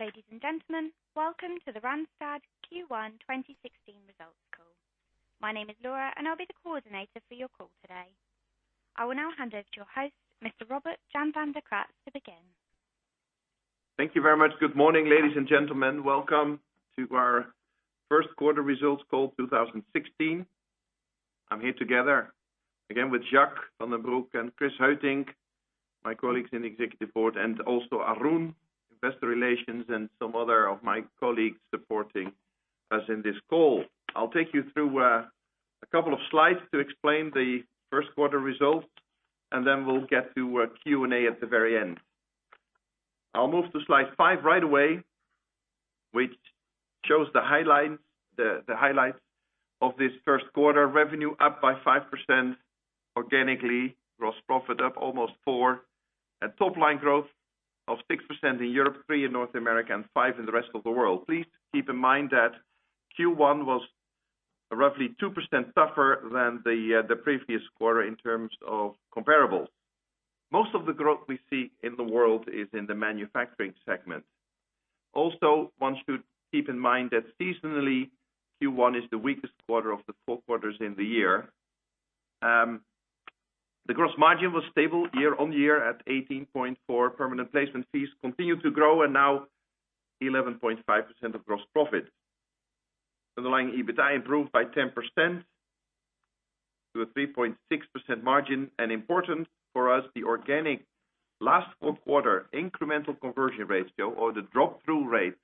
Ladies and gentlemen, welcome to the Randstad Q1 2016 results call. My name is Laura, and I'll be the coordinator for your call today. I will now hand over to your host, Mr. Robert Jan van de Kraats, to begin. Thank you very much. Good morning, ladies and gentlemen. Welcome to our first quarter results call 2016. I'm here together again with Jacques van den Broek and Chris Heutink, my colleagues in the Executive Board, and also Arun, Investor Relations, and some other of my colleagues supporting us in this call. I'll take you through a couple of slides to explain the first quarter results, and then we'll get to a Q&A at the very end. I'll move to slide five right away, which shows the highlights of this first quarter. Revenue up by 5% organically. Gross profit up almost 4%. Top-line growth of 6% in Europe, 3% in North America, and 5% in the rest of the world. Please keep in mind that Q1 was roughly 2% tougher than the previous quarter in terms of comparables. Most of the growth we see in the world is in the manufacturing segment. Also, one should keep in mind that seasonally, Q1 is the weakest quarter of the four quarters in the year. The gross margin was stable year-on-year at 18.4%. Permanent placement fees continued to grow and now 11.5% of gross profit. Underlying EBITA improved by 10% to a 3.6% margin. Important for us, the organic last four quarter incremental conversion ratio or the drop-through rate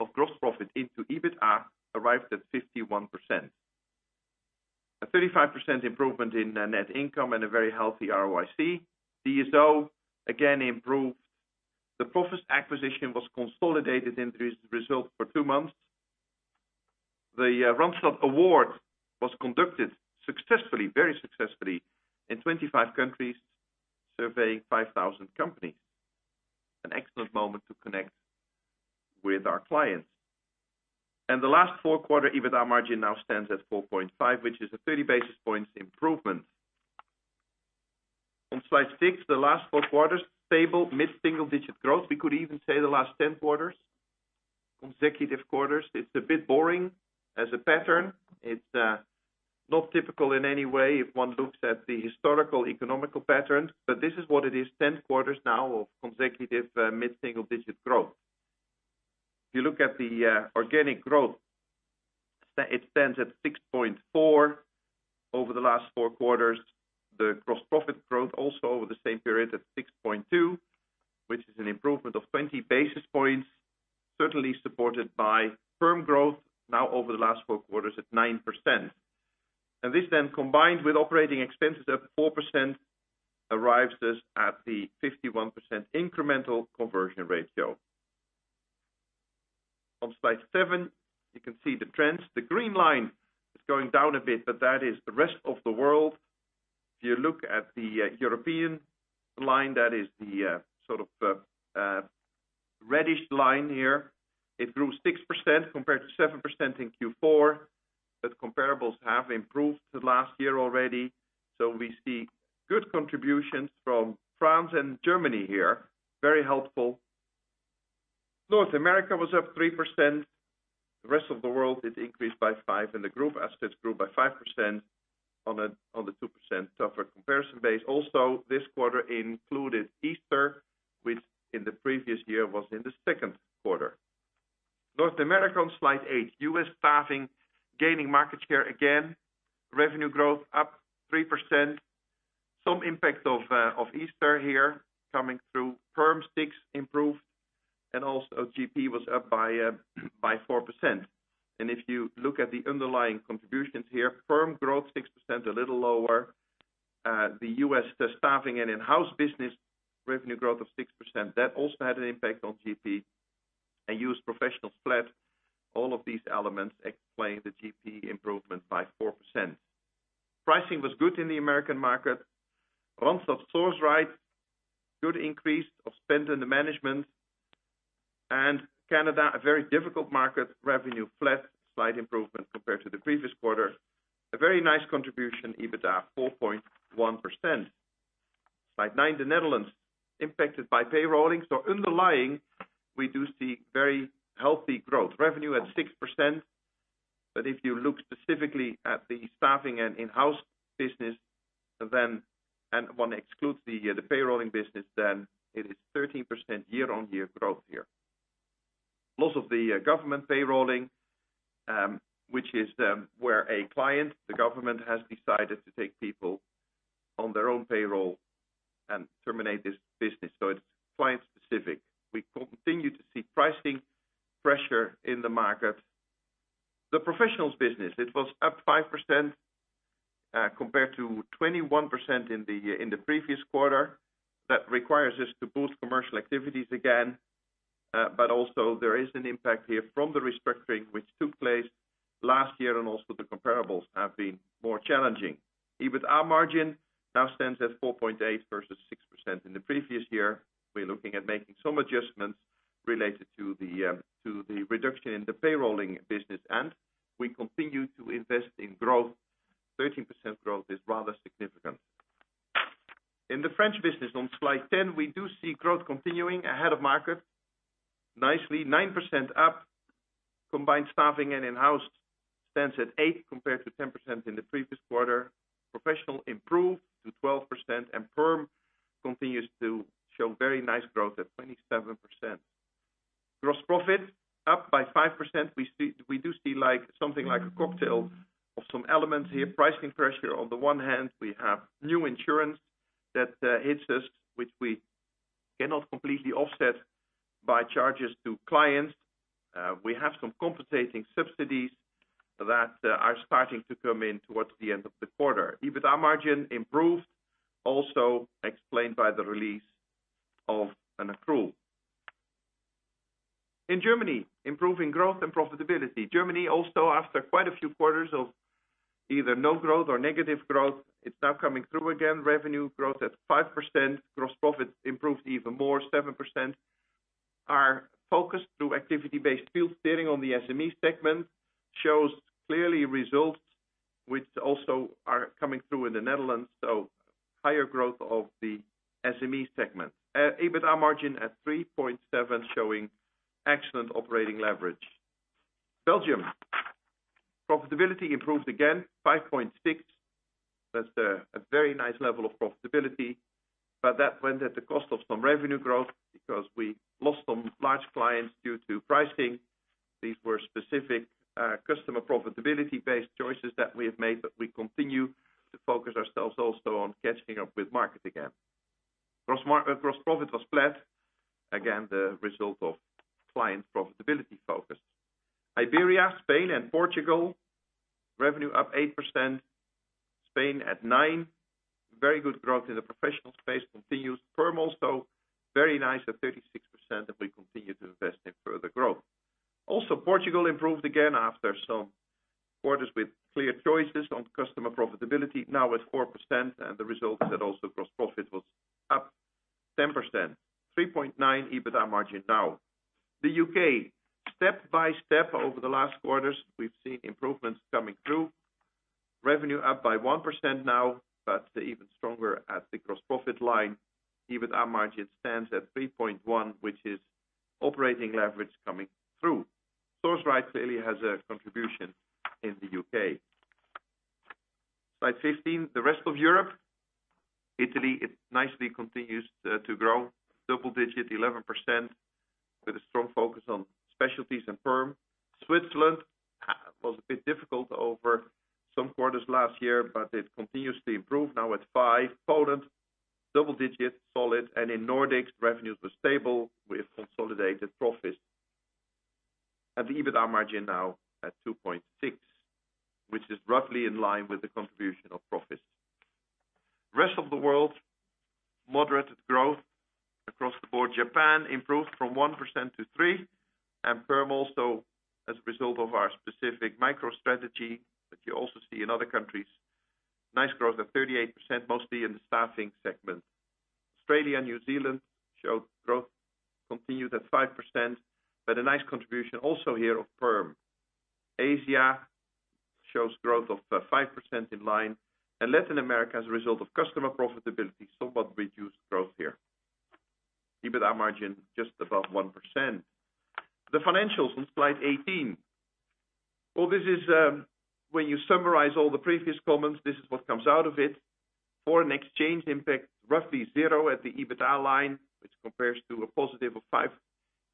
of gross profit into EBITA, arrived at 51%. A 35% improvement in net income and a very healthy ROIC. DSO again improved. The Proffice acquisition was consolidated into this result for two months. The Randstad Award was conducted very successfully in 25 countries, surveying 5,000 companies. An excellent moment to connect with our clients. The last four quarter EBITA margin now stands at 4.5%, which is a 30 basis points improvement. On slide six, the last four quarters stable, mid-single digit growth. We could even say the last 10 quarters, consecutive quarters. It's a bit boring as a pattern. It's not typical in any way if one looks at the historical economical patterns, but this is what it is. 10 quarters now of consecutive mid-single digit growth. If you look at the organic growth, it stands at 6.4% over the last four quarters. The gross profit growth also over the same period is at 6.2%, which is an improvement of 20 basis points, certainly supported by firm growth now over the last four quarters at 9%. This then combined with operating expenses up 4%, arrives us at the 51% incremental conversion ratio. On slide seven, you can see the trends. The green line is going down a bit, that is the rest of the world. If you look at the European line, that is the reddish line here. It grew 6% compared to 7% in Q4, comparables have improved to last year already. We see good contributions from France and Germany here. Very helpful. North America was up 3%. The rest of the world is increased by 5%, and the Group assets grew by 5% on the 2% tougher comparison base. Also, this quarter included Easter, which in the previous year was in the second quarter. North America on slide eight. U.S. staffing gaining market share again. Revenue growth up 3%. Some impact of Easter here coming through. Perm fees improved, and also GP was up by 4%. If you look at the underlying contributions here, firm growth 6%, a little lower. The U.S. staffing and in-house business revenue growth of 6%. That also had an impact on GP. Used professionals flat. All of these elements explain the GP improvement by 4%. Pricing was good in the American market. Randstad Sourceright, good increase of spend in the management. Canada, a very difficult market. Revenue flat, slight improvement compared to the previous quarter. A very nice contribution, EBITA 4.1%. Slide nine, the Netherlands. Impacted by payrolling. Underlying, we do see very healthy growth. Revenue at 6%. If you look specifically at the staffing and in-house business, and one excludes the payrolling business, then it is 13% year-on-year growth here. Loss of the government payrolling, which is where a client, the government, has decided to take people on their own payroll and terminate this business. It is client specific. We continue to see pricing pressure in the market. The professionals business, it was up 5% compared to 21% in the previous quarter. That requires us to boost commercial activities again. Also there is an impact here from the restructuring which took place last year and also the comparables have been more challenging. EBITA margin now stands at 4.8% versus 6% in the previous year. We're looking at making some adjustments related to the reduction in the payrolling business, we continue to invest in growth. 13% growth is rather significant. In the French business on slide 10, we do see growth continuing ahead of market nicely. 9% up combined staffing and in-house stands at 8% compared to 10% in the previous quarter. Professional improved to 12% perm continues to show very nice growth at 27%. Gross profit up by 5%. We do see something like a cocktail of some elements here. Pricing pressure on the one hand, we have new insurance that hits us, which we cannot completely offset by charges to clients. We have some compensating subsidies that are starting to come in towards the end of the quarter. EBITDA margin improved, also explained by the release of an accrual. In Germany, improving growth and profitability. Germany also after quite a few quarters of either no growth or negative growth, it's now coming through again, revenue growth at 5%. Gross profit improved even more, 7%. Our focus through activity-based field steering on the SME segment shows clearly results which also are coming through in the Netherlands. Higher growth of the SME segment. EBITDA margin at 3.7% showing excellent operating leverage. Belgium. Profitability improved again, 5.6%. That's a very nice level of profitability. That went at the cost of some revenue growth because we lost some large clients due to pricing. These were specific customer profitability-based choices that we have made. We continue to focus ourselves also on catching up with market again. Gross profit was flat, again, the result of client profitability focus. Iberia, Spain and Portugal, revenue up 8%, Spain at 9%. Very good growth in the professional space continues. Perm also very nice at 36%. We continue to invest in further growth. Portugal improved again after some quarters with clear choices on customer profitability, now at 4%. The result that also gross profit was up 10%. 3.9% EBITDA margin now. U.K., step by step over the last quarters, we've seen improvements coming through. Revenue up by 1% now, even stronger at the gross profit line. EBITDA margin stands at 3.1%, which is operating leverage coming through. Randstad Sourceright clearly has a contribution in the U.K. Slide 15, the rest of Europe. Italy, it nicely continues to grow double digit 11% with a strong focus on specialties and perm. Switzerland was a bit difficult over some quarters last year. It continues to improve now at 5%. Poland, double digits solid. In Nordics, revenues were stable with consolidated profits. The EBITDA margin now at 2.6%, which is roughly in line with the contribution of profits. Rest of the world, moderated growth across the board. Japan improved from 1% to 3%. Perm also as a result of our specific micro strategy that you also see in other countries. Nice growth of 38%, mostly in the staffing segment. Australia and New Zealand showed growth continued at 5%, a nice contribution also here of perm. Asia shows growth of 5% in line. Latin America as a result of customer profitability, somewhat reduced growth here. EBITDA margin just above 1%. The financials on slide 18. When you summarize all the previous comments, this is what comes out of it. Foreign exchange impact roughly zero at the EBITDA line, which compares to a positive of 5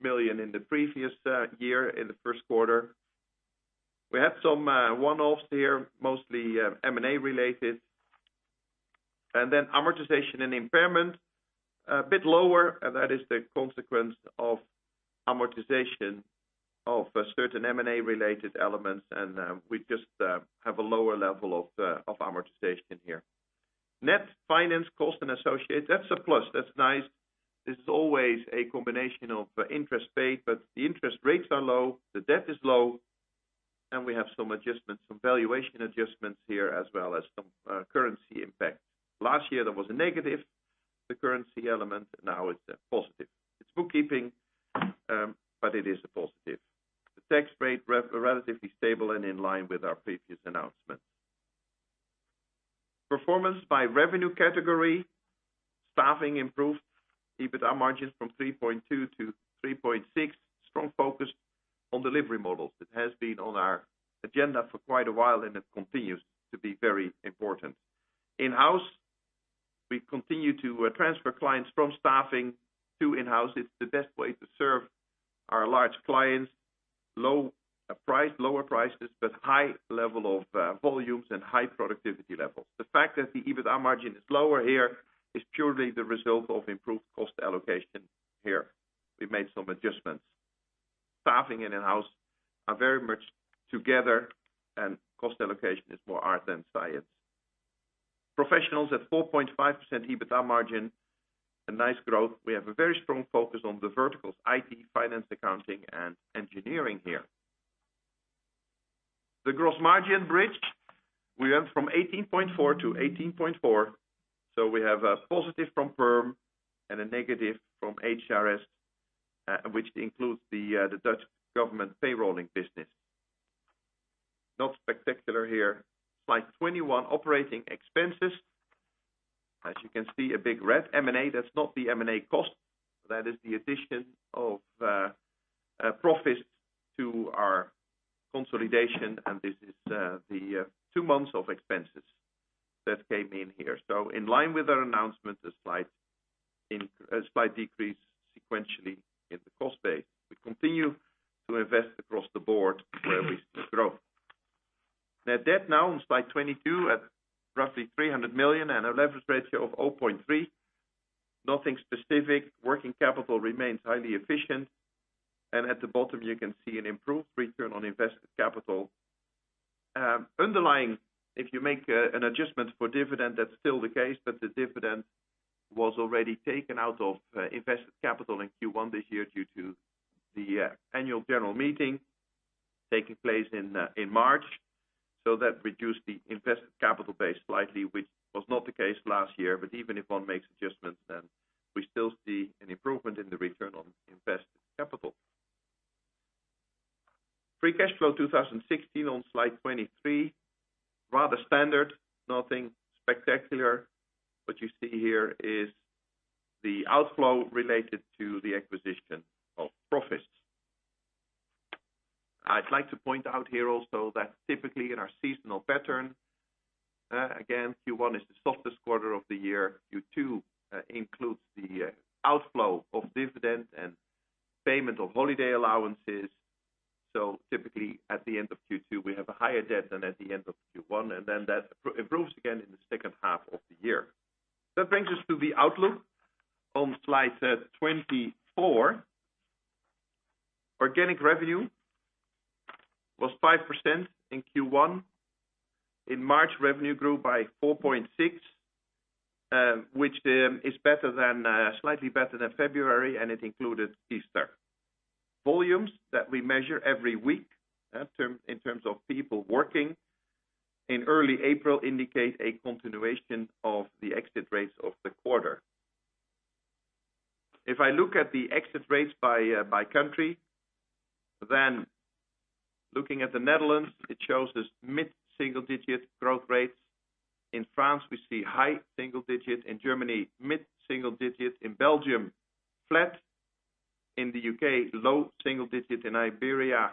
million in the previous year in the first quarter. We have some one-offs here, mostly M&A related. Amortization and impairment, a bit lower. That is the consequence of amortization of certain M&A related elements. We just have a lower level of amortization here. Net finance cost and associates. That's a plus. That's nice. This is always a combination of interest paid. The interest rates are low, the debt is low. We have some valuation adjustments here as well as some currency impacts. Last year there was a negative, the currency element now is a positive. It's bookkeeping, it is a positive. The tax rate, relatively stable and in line with our previous announcements. Performance by revenue category. Staffing improved EBITDA margins from 3.2% to 3.6%. Strong focus on delivery models. It has been on our agenda for quite a while. It continues to be very important. In-house, we continue to transfer clients from staffing to In-house. It's the best way to serve our large clients. Lower prices, high level of volumes, high productivity levels. The fact that the EBITDA margin is lower here is purely the result of improved cost allocation here. We've made some adjustments. Staffing and in-house are very much together and cost allocation is more art than science. Professionals at 4.5% EBITA margin. A nice growth. We have a very strong focus on the verticals, IT, finance, accounting, and engineering here. The gross margin bridge, we went from 18.4% to 18.4%, we have a positive from perm and a negative from HRS, which includes the Dutch government payrolling business. Not spectacular here. Slide 21, operating expenses. As you can see, a big red M&A. That's not the M&A cost. That is the addition of Proffice to our consolidation, and this is the 2 months of expenses that came in here. In line with our announcement, a slight decrease sequentially in the cost base. We continue to invest across the board where we see growth. Net debt now, on slide 22, at roughly 300 million and a leverage ratio of 0.3. Nothing specific. Working capital remains highly efficient. At the bottom, you can see an improved return on invested capital. Underlying, if you make an adjustment for dividend, that's still the case, but the dividend was already taken out of invested capital in Q1 this year due to the annual general meeting taking place in March. That reduced the invested capital base slightly, which was not the case last year. Even if one makes adjustments, we still see an improvement in the return on invested capital. Free cash flow 2016 on slide 23. Rather standard, nothing spectacular. What you see here is the outflow related to the acquisition of Proffice. I'd like to point out here also that typically in our seasonal pattern, again, Q1 is the softest quarter of the year. Q2 includes the outflow of dividend and payment of holiday allowances. Typically, at the end of Q2, we have a higher debt than at the end of Q1, that improves again in the second half of the year. That brings us to the outlook on slide 24. Organic revenue was 5% in Q1. In March, revenue grew by 4.6%, which is slightly better than February, and it included Easter. Volumes that we measure every week in terms of people working in early April indicate a continuation of the exit rates of the quarter. If I look at the exit rates by country, looking at the Netherlands, it shows this mid-single digit growth rates. In France, we see high single digit. In Germany, mid-single digit. In Belgium, flat. In the U.K., low single digit. In Iberia,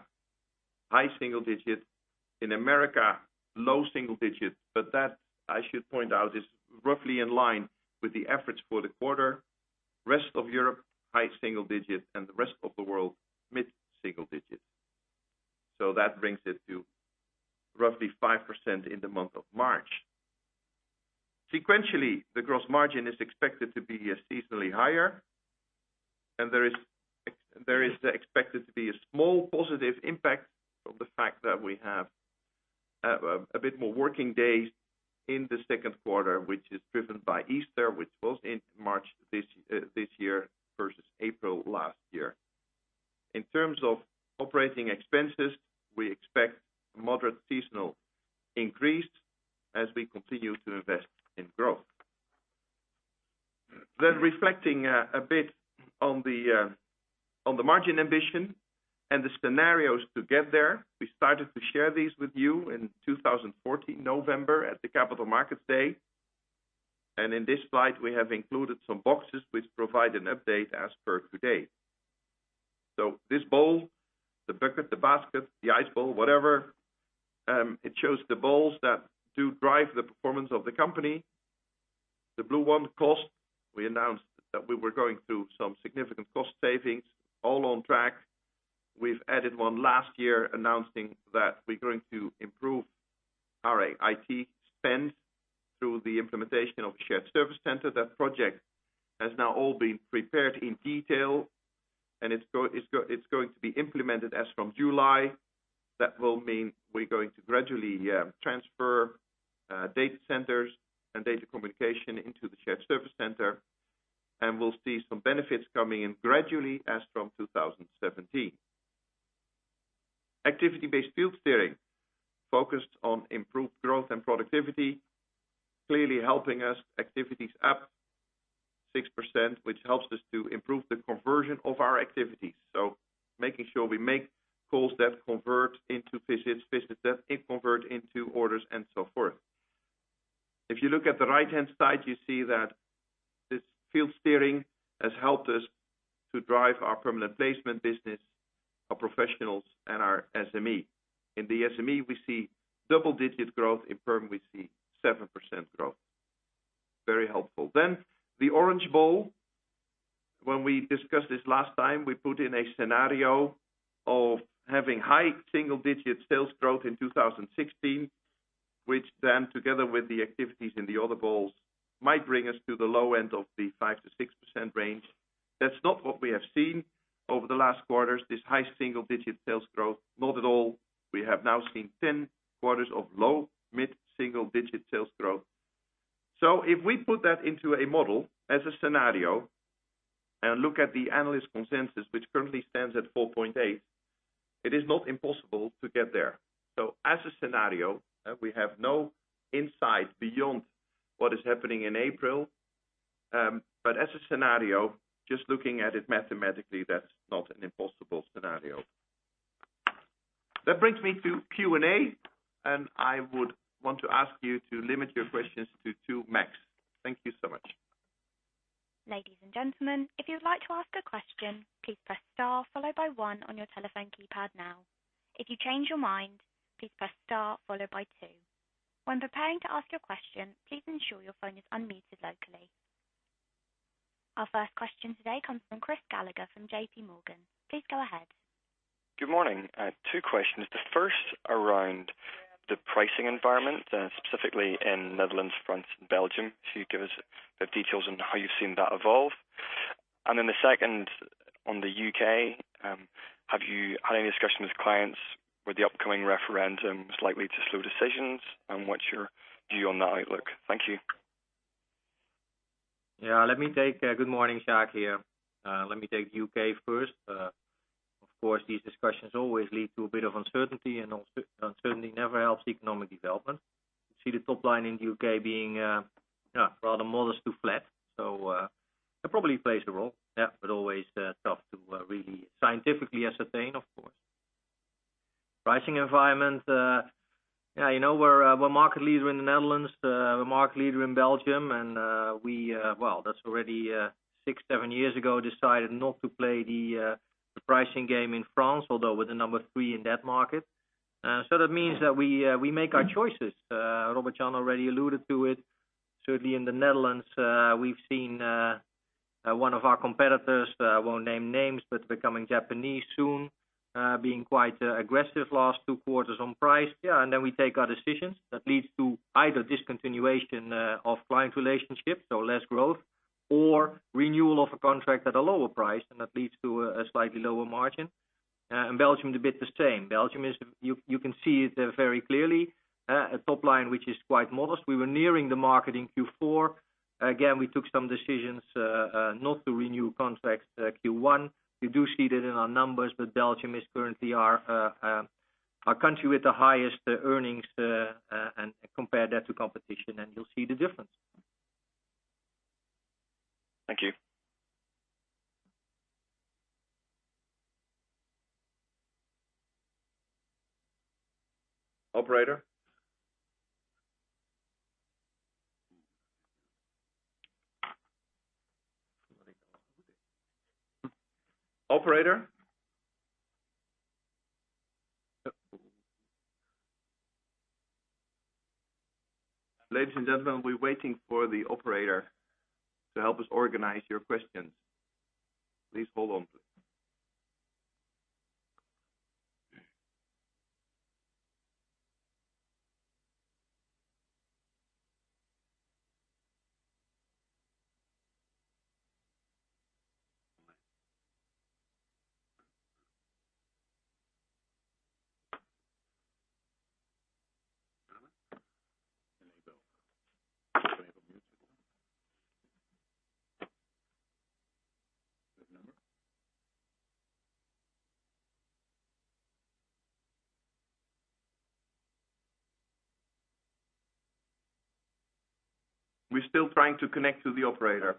high single digit. In America, low single digit. That, I should point out, is roughly in line with the efforts for the quarter. Rest of Europe, high single digit, and the rest of the world, mid-single digit. That brings it to roughly 5% in the month of March. Sequentially, the gross margin is expected to be seasonally higher. There is expected to be a small positive impact of the fact that we have a bit more working days in the second quarter, which is driven by Easter, which was in March this year versus April last year. In terms of operating expenses, we expect moderate seasonal increase as we continue to invest in growth. Reflecting a bit on the margin ambition and the scenarios to get there. We started to share these with you in 2014, November, at the Capital Markets Day. In this slide, we have included some boxes which provide an update as per today. This ball, the bucket, the basket, the ice ball, whatever, it shows the balls that do drive the performance of the company. The blue one, cost. We announced that we were going through some significant cost savings all on track. We've added one last year announcing that we're going to improve our IT spend through the implementation of a shared service center. That project has now all been prepared in detail, and it's going to be implemented as from July. That will mean we're going to gradually transfer data centers and data communication into the shared service center. We'll see some benefits coming in gradually as from 2017. Activity-based field steering focused on improved growth and productivity, clearly helping us activities up 6%, which helps us to improve the conversion of our activities. Making sure we make calls that convert into visits that convert into orders, and so forth. You look at the right-hand side, you see that this field steering has helped us to drive our permanent placement business of professionals and our SME. In the SME, we see double-digit growth. In perm, we see 7% growth. Very helpful. The orange ball. When we discussed this last time, we put in a scenario of having high single-digit sales growth in 2016, which then, together with the activities in the other balls, might bring us to the low end of the 5%-6% range. That's not what we have seen over the last quarters, this high single-digit sales growth, not at all. We have now seen 10 quarters of low, mid-single digit sales growth. If we put that into a model as a scenario and look at the analyst consensus, which currently stands at 4.8%. It is not impossible to get there. As a scenario, we have no insight beyond what is happening in April. As a scenario, just looking at it mathematically, that's not an impossible scenario. That brings me to Q&A, I would want to ask you to limit your questions to two max. Thank you so much. Ladies and gentlemen, if you'd like to ask a question, please press star, followed by one on your telephone keypad now. If you change your mind, please press star followed by two. When preparing to ask your question, please ensure your phone is unmuted locally. Our first question today comes from Chris Gallagher from JPMorgan. Please go ahead. Good morning. I have two questions. The first around the pricing environment, specifically in Netherlands, France, and Belgium, to give us the details on how you've seen that evolve. The second on the U.K., have you had any discussions with clients with the upcoming referendum likely to slow decisions? What's your view on that outlook? Thank you. Good morning, Jacques here. Let me take U.K. first. Of course, these discussions always lead to a bit of uncertainty never helps economic development. You see the top line in the U.K. being, well, the model's too flat, it probably plays a role. Always tough to really scientifically ascertain, of course. Pricing environment, we're market leader in the Netherlands, we're market leader in Belgium, we, well, that's already six, seven years ago, decided not to play the pricing game in France, although we're the number three in that market. That means that we make our choices. Robert Jan already alluded to it. Certainly in the Netherlands, we've seen one of our competitors, I won't name names, but becoming Japanese soon, being quite aggressive last two quarters on price. We take our decisions. That leads to either discontinuation of client relationships or less growth or renewal of a contract at a lower price, that leads to a slightly lower margin. In Belgium, a bit the same. Belgium is, you can see it there very clearly, a top line which is quite modest. We were nearing the market in Q4. Again, we took some decisions not to renew contracts Q1. You do see that in our numbers, Belgium is currently our country with the highest earnings, compare that to competition, you'll see the difference. Thank you. Operator. Operator. Ladies and gentlemen, we are waiting for the operator to help us organize your questions. Please hold on, please. We are still trying to connect to the operator.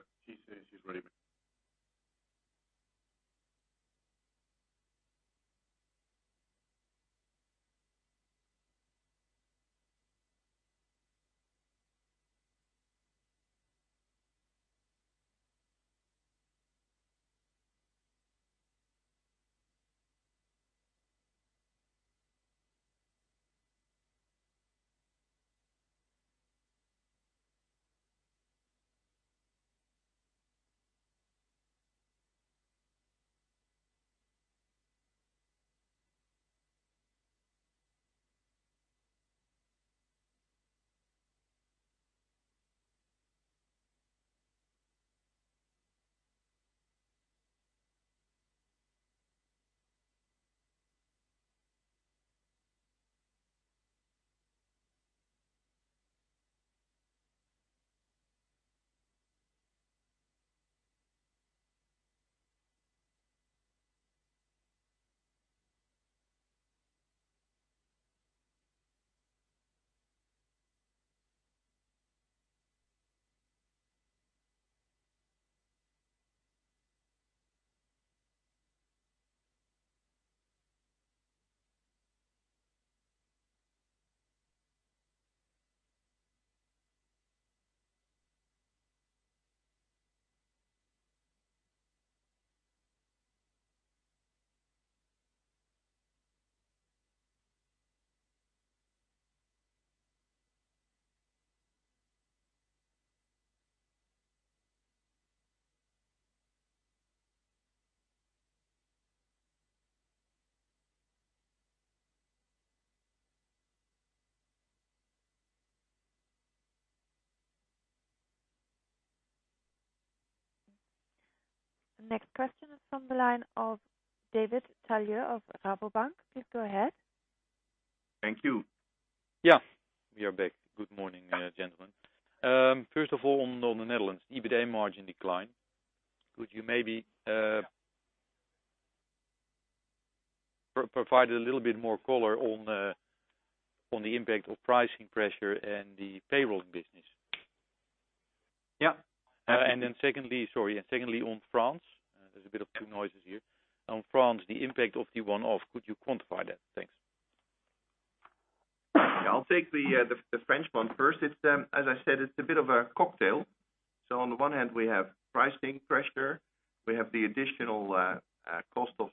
The next question is from the line of David de Boer of Rabobank. Please go ahead. Thank you. Yeah. We are back. Good morning, gentlemen. First of all, on the Netherlands, EBITA margin decline. Could you maybe provide a little bit more color on the impact of pricing pressure and the payroll business? Yeah. Secondly, on France. There's a bit of two noises here. On France, the impact of the one-off, could you quantify that? Thanks. I'll take the French one first. As I said, it's a bit of a cocktail. On the one hand, we have pricing pressure, we have the additional cost of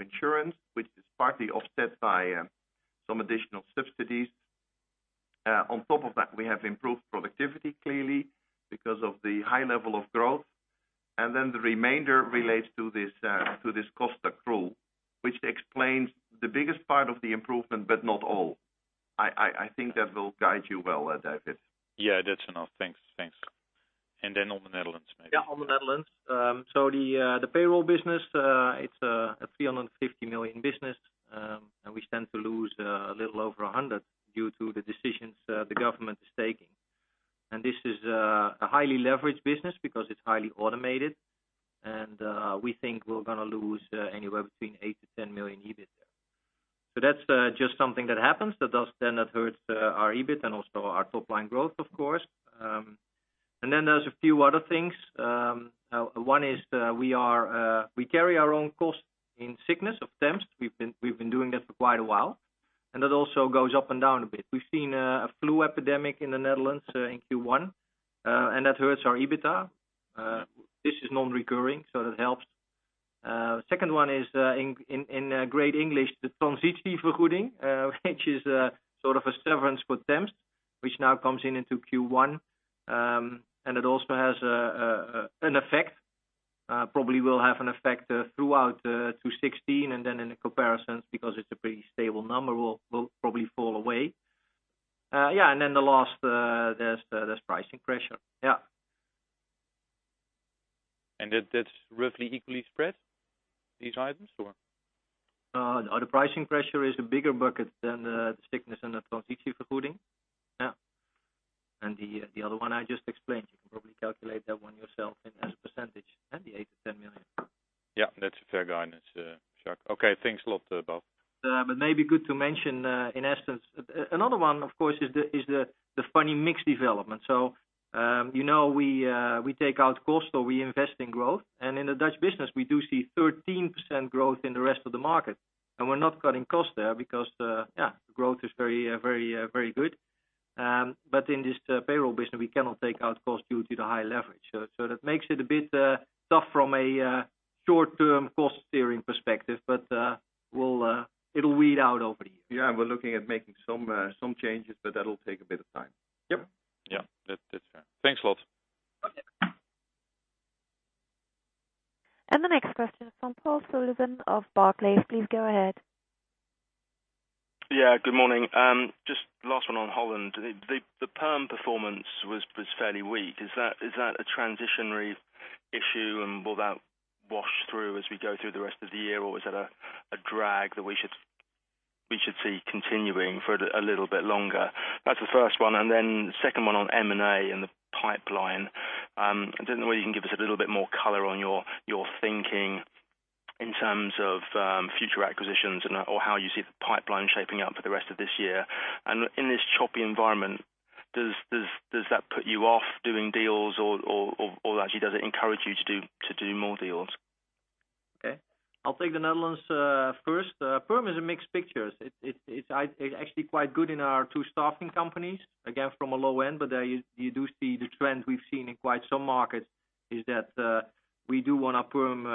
insurance, which is partly offset by some additional subsidies. On top of that, we have improved productivity clearly because of the high level of growth. The remainder relates to this cost accrual, which explains the biggest part of the improvement, but not all. I think that will guide you well, David. Yeah, that's enough. Thanks. On the Netherlands maybe. On the Netherlands. The payroll business, it's a 350 million business. We stand to lose a little over 100 million due to the decisions the government is taking. This is a highly leveraged business because it's highly automated, and we think we're going to lose anywhere between 8 million-10 million EBIT there. That's just something that happens that hurts our EBIT and also our top line growth, of course. There's a few other things. One is, we carry our own cost in sickness of temps. We've been doing that for quite a while, and that also goes up and down a bit. We've seen a flu epidemic in the Netherlands in Q1. That hurts our EBITA. This is non-recurring, so that helps. Second one is, in Great English, the transitievergoeding, which is sort of a severance for temps, which now comes into Q1. It also has an effect. Probably will have an effect throughout 2016. In the comparisons, because it's a pretty stable number, will probably fall away. The last, there's pricing pressure. That's roughly equally spread, these items, or? No. The pricing pressure is a bigger bucket than the sickness and the transitievergoeding. The other one I just explained, you can probably calculate that one yourself as a percentage. The 8 million-10 million. Yeah. That's a fair guidance, Jaap. Thanks a lot, both. Maybe good to mention in essence, another one of course is the funny mix development. We take out cost or we invest in growth. In the Dutch business, we do see 13% growth in the rest of the market. We're not cutting costs there because the growth is very good. In this payroll business, we cannot take out costs due to the high leverage. That makes it a bit tough from a short-term cost steering perspective. It'll weed out over the years. Yeah, we're looking at making some changes, that'll take a bit of time. Yep. Yeah. That's fair. Thanks a lot. Okay. The next question is from Paul Sullivan of Barclays. Please go ahead. Yeah, good morning. Just last one on Holland. The perm performance was fairly weak. Is that a transitional issue and will that wash through as we go through the rest of the year? Or is it a drag that we should see continuing for a little bit longer? That's the first one. Then second one on M&A and the pipeline. I don't know whether you can give us a little bit more color on your thinking in terms of future acquisitions or how you see the pipeline shaping up for the rest of this year. In this choppy environment, does that put you off doing deals or actually does it encourage you to do more deals? Okay. I'll take the Netherlands first. Perm is a mixed picture. It's actually quite good in our two staffing companies. Again, from a low end, but you do see the trend we've seen in quite some markets is that we do want our perm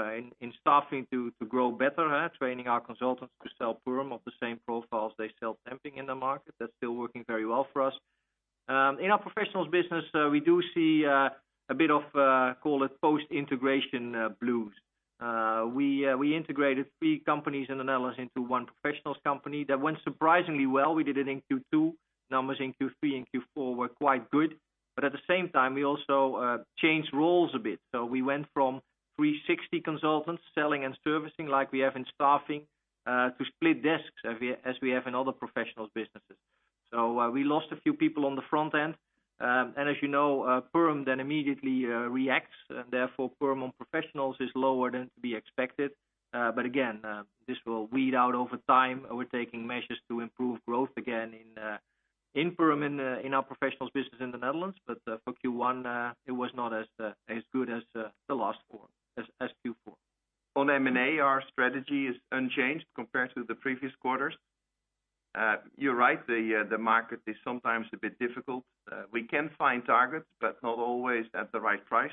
in staffing to grow better. Training our consultants to sell perm of the same profile as they sell temping in the market. That's still working very well for us. In our professionals business, we do see a bit of, call it post-integration blues. We integrated three companies in the Netherlands into one professionals company. That went surprisingly well. We did it in Q2. Numbers in Q3 and Q4 were quite good. At the same time, we also changed roles a bit. We went from 360 consultants selling and servicing like we have in staffing, to split desks as we have in other professionals businesses. We lost a few people on the front end. As you know, perm then immediately reacts and therefore perm on professionals is lower than to be expected. But again, this will weed out over time. We're taking measures to improve growth again in perm in our professionals business in the Netherlands. But for Q1, it was not as good as Q4. On M&A, our strategy is unchanged compared to the previous quarters. You're right, the market is sometimes a bit difficult. We can find targets, but not always at the right price.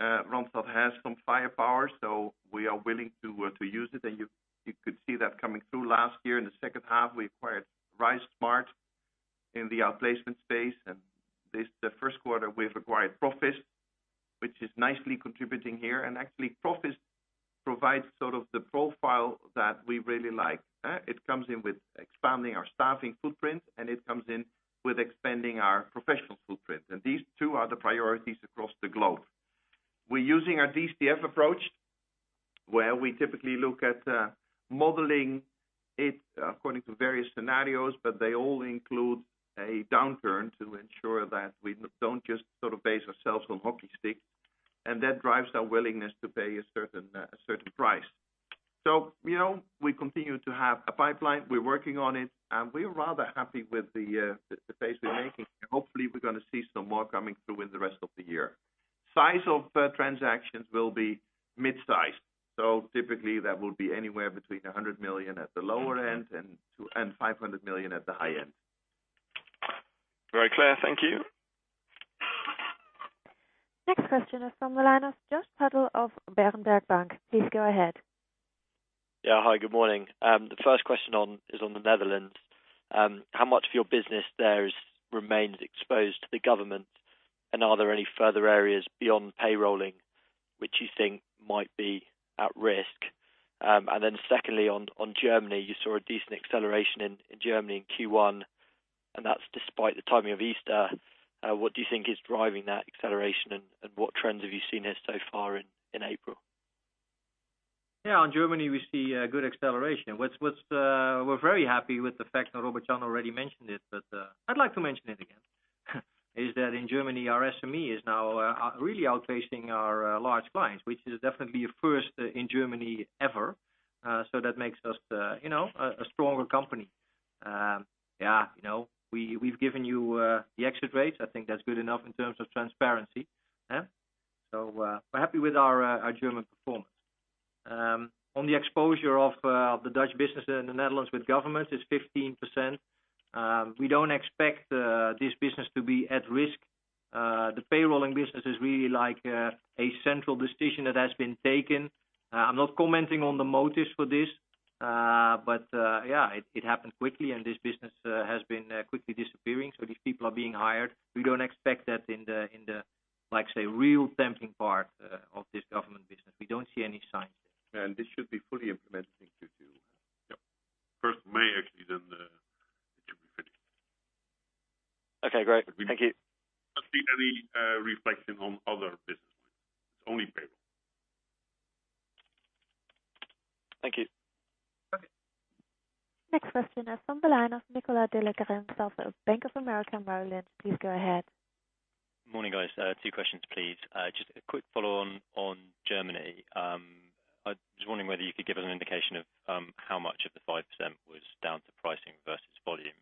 Randstad has some firepower, so we are willing to use it. You could see that coming through last year in the second half. We acquired RiseSmart in the outplacement space. The first quarter we've acquired Proffice, which is nicely contributing here. Actually Proffice provides sort of the profile that we really like. It comes in with expanding our staffing footprint, and it comes in with expanding our professional footprint. These two are the priorities across the globe. We're using our DCF approach where we typically look at modeling it according to various scenarios, but they all include a downturn to ensure that we don't just base ourselves on hockey sticks. That drives our willingness to pay a certain price. We continue to have a pipeline. We're working on it, and we're rather happy with the pace we're making. Hopefully, we're going to see some more coming through in the rest of the year. Size of transactions will be mid-size. Typically, that will be anywhere between 100 million at the lower end and 500 million at the high end. Very clear. Thank you. Next question is from the line of Konrad Zomer of Berenberg Bank. Please go ahead. Hi, good morning. The first question is on the Netherlands. How much of your business there remains exposed to the government, and are there any further areas beyond payrolling which you think might be at risk? Secondly, on Germany. You saw a decent acceleration in Germany in Q1, and that's despite the timing of Easter. What do you think is driving that acceleration, and what trends have you seen there so far in April? On Germany, we see a good acceleration. We're very happy with the fact that Robert Jan already mentioned it, but I'd like to mention it again. Is that in Germany, our SME is now really outpacing our large clients, which is definitely a first in Germany ever. That makes us a stronger company. We've given you the exit rates. I think that's good enough in terms of transparency. We're happy with our German performance. On the exposure of the Dutch business in the Netherlands with government, it's 15%. We don't expect this business to be at risk. The payrolling business is really like a central decision that has been taken. I'm not commenting on the motives for this. Yeah, it happened quickly, and this business has been quickly disappearing. These people are being hired. We don't expect that in the, like, say, real temping part of this government business. We don't see any signs yet. This should be fully implemented in Q2. Yep. 1st of May, actually, it will be finished. Okay, great. Thank you. We don't see any reflection on other business lines. It's only payroll. Thank you. Okay. Next question is from the line of Nicolas de la Serna of Bank of America Merrill Lynch. Please go ahead. Morning, guys. two questions, please. Just a quick follow-on on Germany. I was wondering whether you could give us an indication of how much of the 5% was down to pricing versus volume.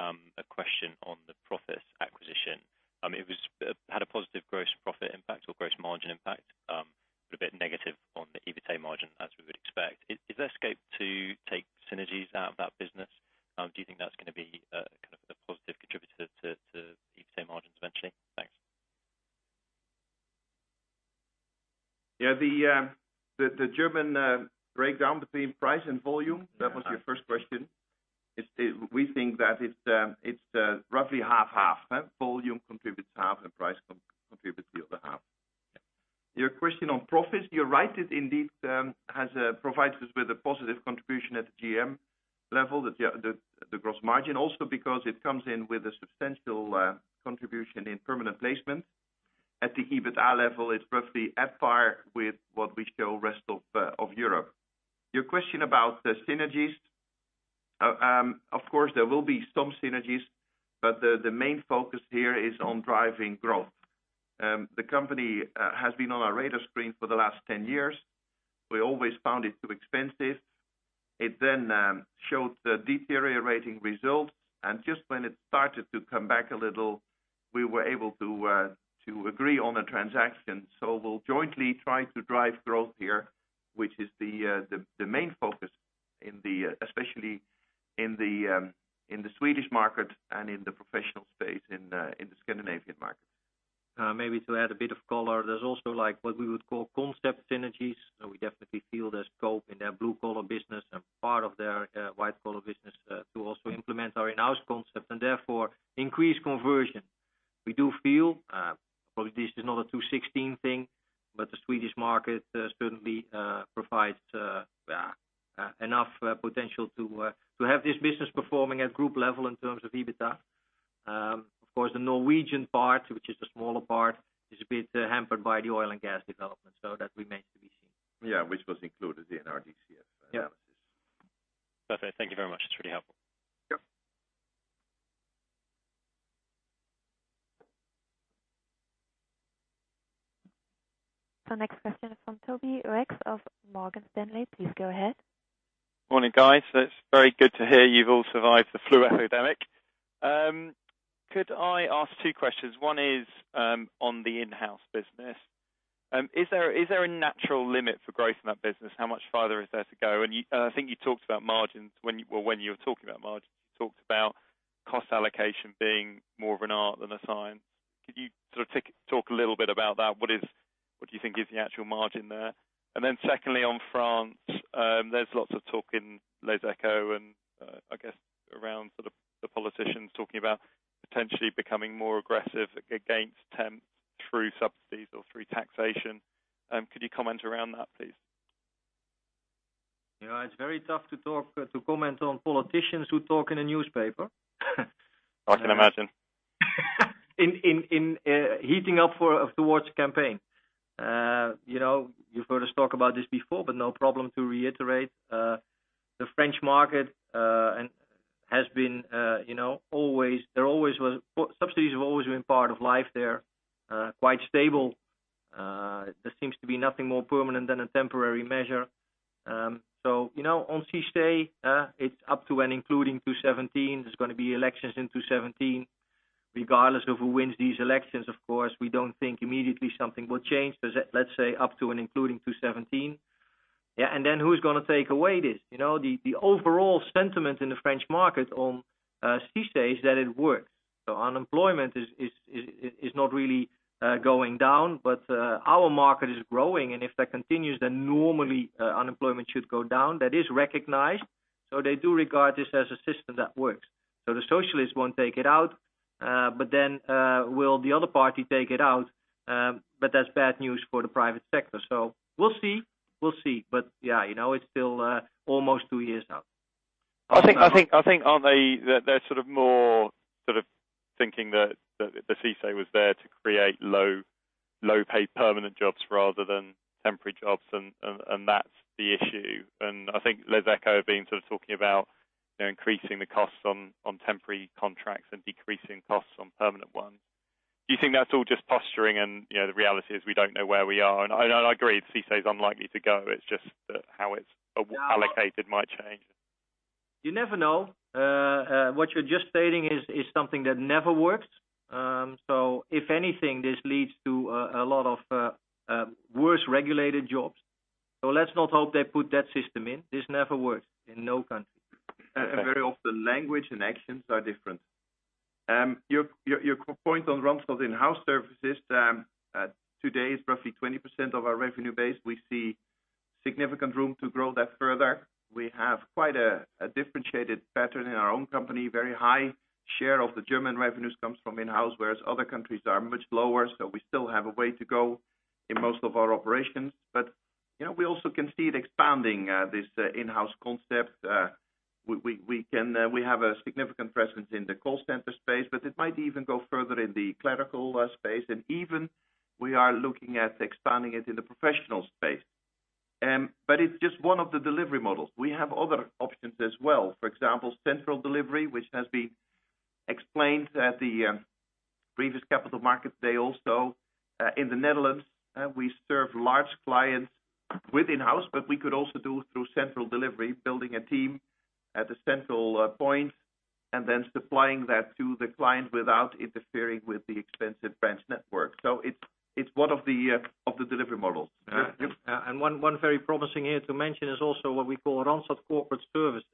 A question on the Proffice acquisition. It had a positive gross profit impact or gross margin impact, but a bit negative on the EBITA margin as we would expect. Is there scope to take synergies out of that business? Do you think that's going to be a positive contributor to EBITA margins eventually? Thanks. Yeah. The German breakdown between price and volume, that was your first question. We think that it's roughly half-half. Volume contributes half and price contributes the other half. Your question on profits. You're right. It indeed provides us with a positive contribution at the GM level, the gross margin. Also because it comes in with a substantial contribution in permanent placement. At the EBITA level, it's roughly at par with what we show rest of Europe. Your question about the synergies. Of course, there will be some synergies, but the main focus here is on driving growth. The company has been on our radar screen for the last 10 years. We always found it too expensive. It showed deteriorating results, and just when it started to come back a little, we were able to agree on a transaction. We'll jointly try to drive growth here, which is the main focus especially in the Swedish market and in the professional space in the Scandinavian markets. Maybe to add a bit of color. There's also what we would call concept synergies, and we definitely feel there's scope in their blue-collar business and part of their white-collar business to also implement our Inhouse concept and therefore increase conversion. We do feel, probably this is not a 2016 thing, but the Swedish market certainly provides enough potential to have this business performing at group level in terms of EBITA. Of course, the Norwegian part, which is the smaller part, is a bit hampered by the oil and gas development. That remains to be seen. Yeah. Which was included in our DCF analysis. Yeah. Perfect. Thank you very much. It's really helpful. Yep. Next question is from Toby Reeks of Morgan Stanley. Please go ahead. Morning, guys. It's very good to hear you've all survived the flu epidemic. Could I ask two questions? One is on the in-house business. Is there a natural limit for growth in that business? How much farther is there to go? I think you talked about margins. When you were talking about margins, you talked about cost allocation being more of an art than a science. Could you talk a little bit about that? What do you think is the actual margin there? Secondly, on France. There's lots of talk in Les Echo and I guess around the politicians talking about potentially becoming more aggressive against temps through subsidies or through taxation. Could you comment around that, please? It's very tough to comment on politicians who talk in a newspaper. I can imagine. In heating up towards campaign. You've heard us talk about this before, but no problem to reiterate. The French market subsidies have always been part of life there, quite stable. There seems to be nothing more permanent than a temporary measure. On CICE, it's up to and including 2017. There's going to be elections in 2017. Regardless of who wins these elections, of course, we don't think immediately something will change. There's that, let's say, up to and including 2017. Who's going to take away this? The overall sentiment in the French market on CICE is that it works. Unemployment is not really going down, but our market is growing, and if that continues, then normally unemployment should go down. That is recognized. They do regard this as a system that works. The socialists won't take it out, will the other party take it out? That's bad news for the private sector. We'll see. It's still almost two years now. I think they're more thinking that the CICE was there to create low-paid permanent jobs rather than temporary jobs, that's the issue. I think Les Echos have been talking about increasing the costs on temporary contracts and decreasing costs on permanent ones. Do you think that's all just posturing and the reality is we don't know where we are? I agree, CICE is unlikely to go. It's just that how it's allocated might change. You never know. What you're just stating is something that never works. If anything, this leads to a lot of worse-regulated jobs. Let's not hope they put that system in. This never works in no country. Very often language and actions are different. Your point on Randstad Inhouse Services, today is roughly 20% of our revenue base. We see significant room to grow that further. We have quite a differentiated pattern in our own company. Very high share of the German revenues comes from in-house, whereas other countries are much lower. We still have a way to go in most of our operations. We also can see it expanding this in-house concept. We have a significant presence in the call center space, but it might even go further in the clerical space, and even we are looking at expanding it in the professional space. It's just one of the delivery models. We have other options as well. For example, central delivery, which has been explained at the previous Capital Markets Day also. In the Netherlands, we serve large clients with in-house, but we could also do through central delivery, building a team at a central point and then supplying that to the client without interfering with the expensive branch network. It's one of the delivery models. One very promising here to mention is also what we call Randstad Corporate Services.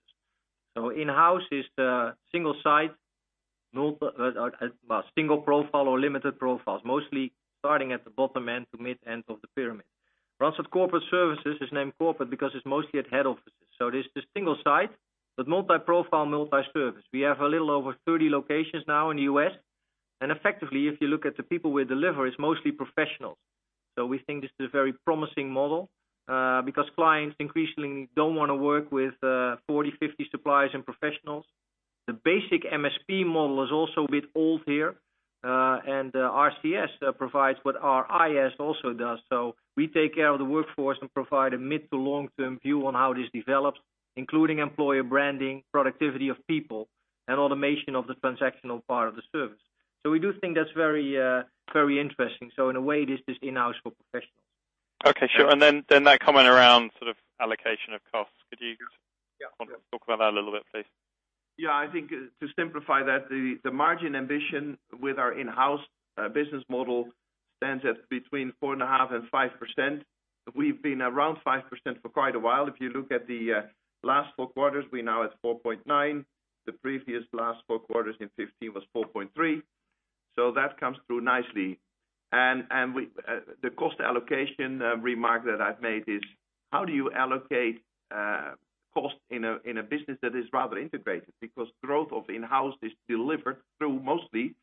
In-house is the single site, single profile or limited profiles, mostly starting at the bottom end to mid-end of the pyramid. Randstad Corporate Services is named corporate because it's mostly at head offices. It is the single site, but multi-profile, multi-service. We have a little over 30 locations now in the U.S., and effectively, if you look at the people we deliver, it's mostly professionals. We think this is a very promising model, because clients increasingly don't want to work with 40, 50 suppliers and professionals. The basic MSP model is also a bit old here, and RCS provides what our IS also does. We take care of the workforce and provide a mid- to long-term view on how this develops, including employer branding, productivity of people, and automation of the transactional part of the service. We do think that's very interesting. In a way, this is in-house for professionals. Okay, sure. Then that comment around allocation of costs. Yeah. Can you talk about that a little bit, please? Yeah, I think to simplify that, the margin ambition with our in-house business model stands at between 4.5 and 5%. We've been around 5% for quite a while. If you look at the last four quarters, we're now at 4.9. The previous last four quarters in 2015 was 4.3, that comes through nicely. The cost allocation remark that I've made is, how do you allocate cost in a business that is rather integrated? Because growth of in-house is delivered mostly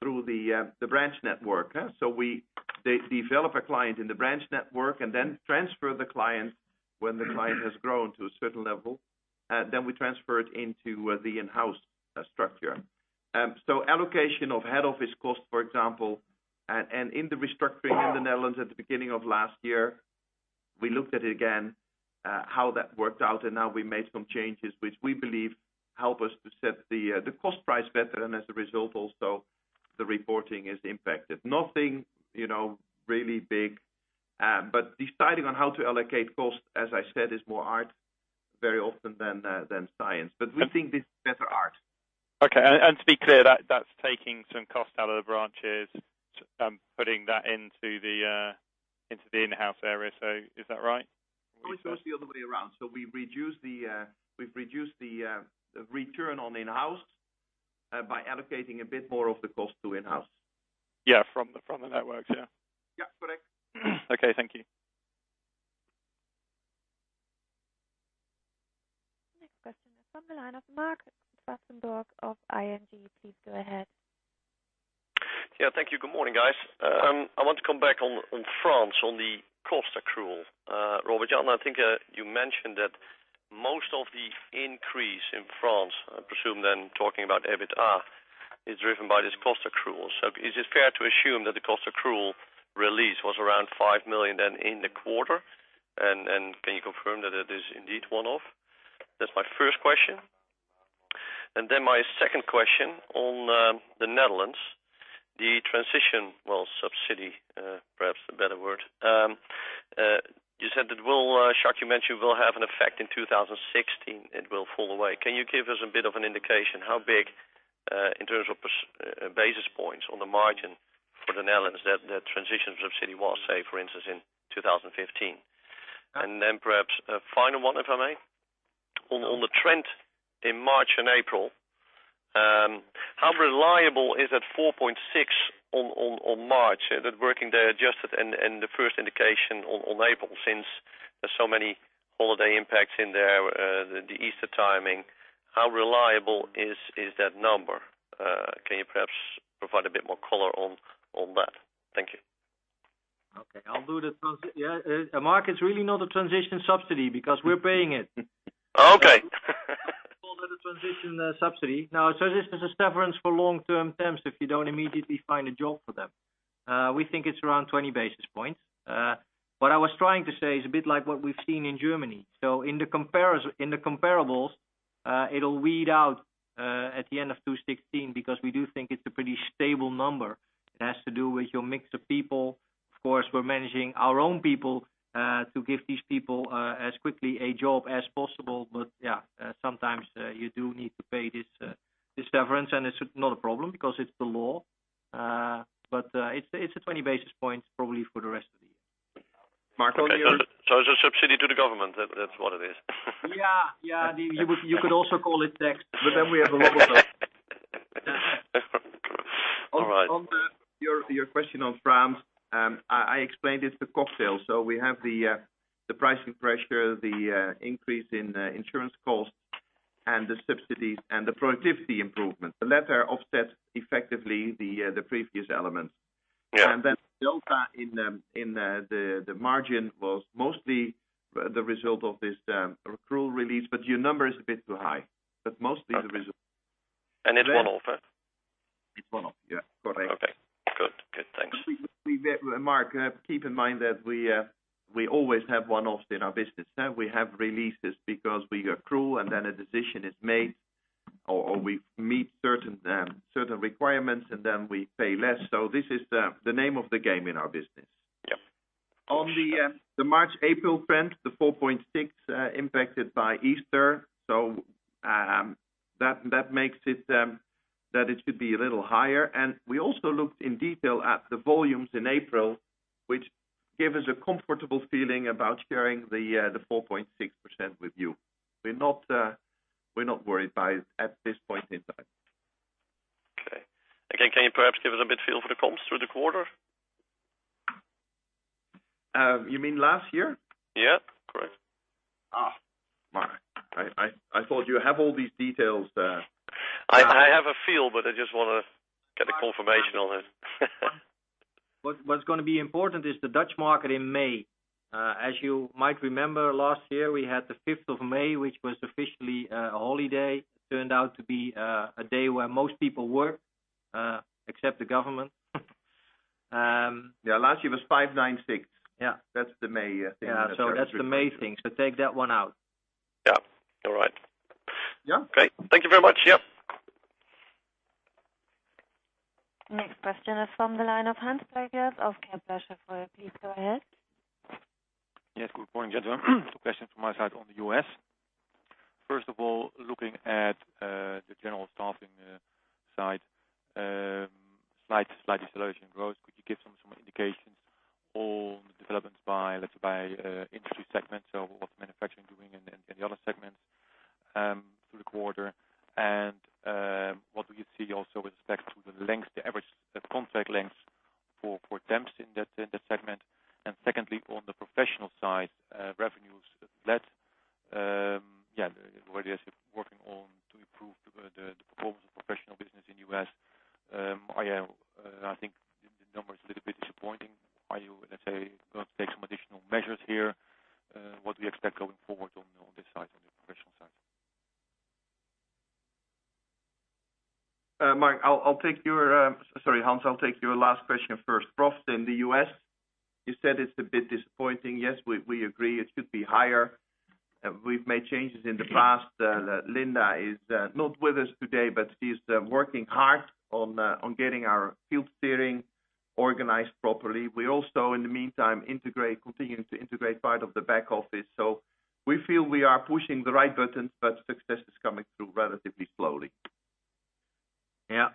through the branch network. We develop a client in the branch network and then transfer the client when the client has grown to a certain level, then we transfer it into the in-house structure. Allocation of head office cost, for example, and in the restructuring in the Netherlands at the beginning of last year, we looked at it again, how that worked out, now we made some changes which we believe help us to set the cost price better, as a result also, the reporting is impacted. Nothing really big, but deciding on how to allocate cost, as I said, is more art very often than science. We think this is better art. Okay. To be clear, that's taking some cost out of the branches, putting that into the in-house area. Is that right? It's supposed to be the other way around. We've reduced the return on in-house by allocating a bit more of the cost to in-house. Yeah. From the networks, yeah. Yeah, correct. Okay, thank you. Next question is from the line of Marc Zwartsenburg of ING. Please go ahead. Yeah. Thank you. Good morning, guys. I want to come back on France, on the cost accrual. Robert Jan, I think you mentioned that most of the increase in France, I presume then talking about EBITA, is driven by this cost accrual. Is it fair to assume that the cost accrual release was around 5 million then in the quarter? Can you confirm that it is indeed one-off? That's my first question. My second question on the Netherlands, the transition, well, subsidy, perhaps a better word. Jacques, you mentioned it will have an effect in 2016. It will fall away. Can you give us a bit of an indication how big, in terms of basis points on the margin for the Netherlands, that transition subsidy was, say, for instance, in 2015? Perhaps a final one, if I may. On the trend in March and April, how reliable is that 4.6% on March, that working day adjusted and the first indication on April, since there's so many holiday impacts in there, the Easter timing. How reliable is that number? Can you perhaps provide a bit more color on that? Thank you. Okay. Marc, it's really not a transition subsidy because we're paying it. Okay. Call it a transition subsidy. This is a severance for long-term temps if you don't immediately find a job for them. We think it's around 20 basis points. What I was trying to say, it's a bit like what we've seen in Germany. In the comparables, it'll weed out at the end of 2016 because we do think it's a pretty stable number. It has to do with your mix of people. Of course, we're managing our own people to give these people as quickly a job as possible. Sometimes you do need to pay this severance, and it's not a problem because it's the law. It's a 20 basis points, probably for the rest of the year. Marc, it's a subsidy to the government, that's what it is. Yeah. You could also call it tax, we have a lot of that. All right. On your question on France, I explained it's the cost sale. We have the pricing pressure, the increase in insurance costs, and the subsidies and the productivity improvement. The latter offset effectively the previous elements. Yeah. Delta in the margin was mostly the result of this accrual release, but your number is a bit too high. Mostly the result. It's one-off? It's one-off. Yeah. Correct. Okay. Good. Thanks. Marc, keep in mind that we always have one-offs in our business. We have releases because we accrue, and then a decision is made, or we meet certain requirements, and then we pay less. This is the name of the game in our business. Yep. On the March, April trend, the 4.6% impacted by Easter. That makes it that it should be a little higher. We also looked in detail at the volumes in April, which gave us a comfortable feeling about sharing the 4.6% with you. We're not worried by it at this point in time. Okay. Again, can you perhaps give us a bit feel for the comps through the quarter? You mean last year? Yeah, correct. Marc, I thought you have all these details there. I have a feel, but I just want to get a confirmation on it. What's going to be important is the Dutch market in May. As you might remember, last year, we had the 5th of May, which was officially a holiday, turned out to be a day where most people work, except the government. Yeah. Last year was 596. Yeah. That's the May. Yeah. That's the May thing. Take that one out. Yeah. All right. Yeah. Okay. Thank you very much. Yeah. Next question is from the line of Hans van den Berg of KBC Securities. Please go ahead. Yes, good morning, gentlemen. Two questions from my side on the U.S. First of all, looking at the general staffing side, slight deceleration growth. Could you give some indications on the developments by, let's say, by industry segment? So what's manufacturing doing and the other segments through the quarter? What do you see also with respect to the length, the average contract length for temps in the segment? Secondly, on the professional side, revenues led. What are you guys working on to improve the performance of professional business in U.S.? I think the number is a little bit disappointing. Are you, let's say, going to take some additional measures here? What do we expect going forward on this side, on the professional side? Hans, I'll take your last question first. Profit in the U.S., you said it's a bit disappointing. Yes, we agree it should be higher. We've made changes in the past. Linda is not with us today, but she's working hard on getting our field steering organized properly. We also, in the meantime, continue to integrate part of the back office. We feel we are pushing the right buttons, but success is coming through relatively slowly. Yeah.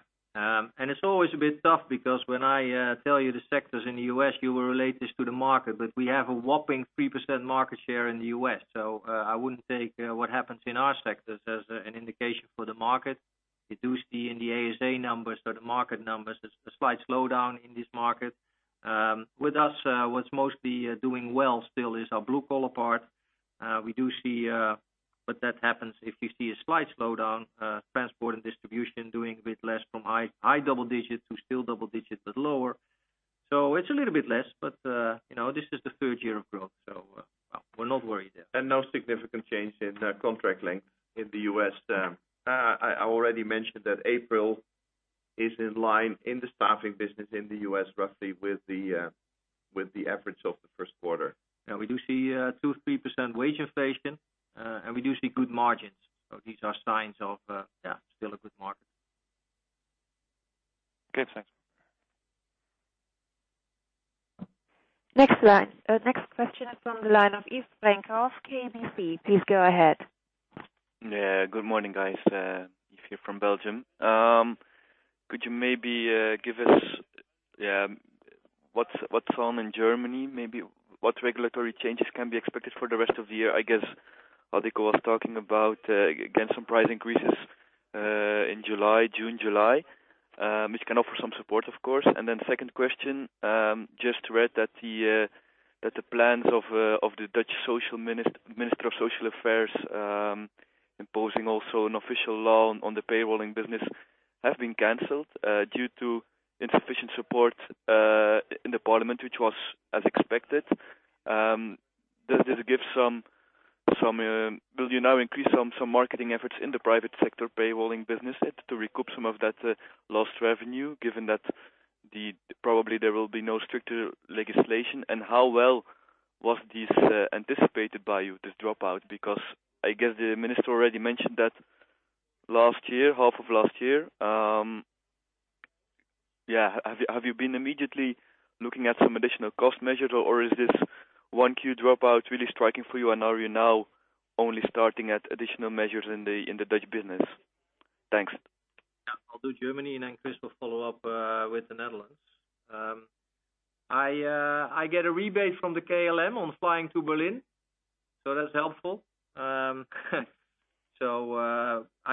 It's always a bit tough because when I tell you the sectors in the U.S., you will relate this to the market, but we have a whopping 3% market share in the U.S. I wouldn't take what happens in our sectors as an indication for the market. You do see in the ASA numbers or the market numbers, there's a slight slowdown in this market. With us, what's mostly doing well still is our blue collar part. We do see, but that happens if we see a slight slowdown, transport and distribution doing a bit less from high double digits to still double digits, but lower. It's a little bit less, but this is the third year of growth, so we're not worried there. No significant change in contract length in the U.S. I already mentioned that April is in line in the staffing business in the U.S., roughly with the average of the first quarter. We do see 2-3% wage inflation, and we do see good margins. These are signs of still a good market. Okay, thanks. Next question is from the line of Yves Goffin of KBC. Please go ahead. Yeah. Good morning, guys. Yves here from Belgium. Could you maybe give us what's on in Germany? Maybe what regulatory changes can be expected for the rest of the year? I guess Adecco was talking about, again, some price increases in June, July, which can offer some support, of course. Second question, just read that the plans of the Dutch Minister of Social Affairs imposing also an official law on the payrolling business have been canceled due to insufficient support in the parliament, which was as expected. Will you now increase some marketing efforts in the private sector payrolling business to recoup some of that lost revenue, given that probably there will be no stricter legislation? How well was this anticipated by you, this dropout? Because I guess the minister already mentioned that half of last year. Have you been immediately looking at some additional cost measures, or is this one Q dropout really striking for you, and are you now only starting at additional measures in the Dutch business? Thanks. Yeah. I'll do Germany. Chris will follow up with the Netherlands. I get a rebate from the KLM on flying to Berlin, so that's helpful. I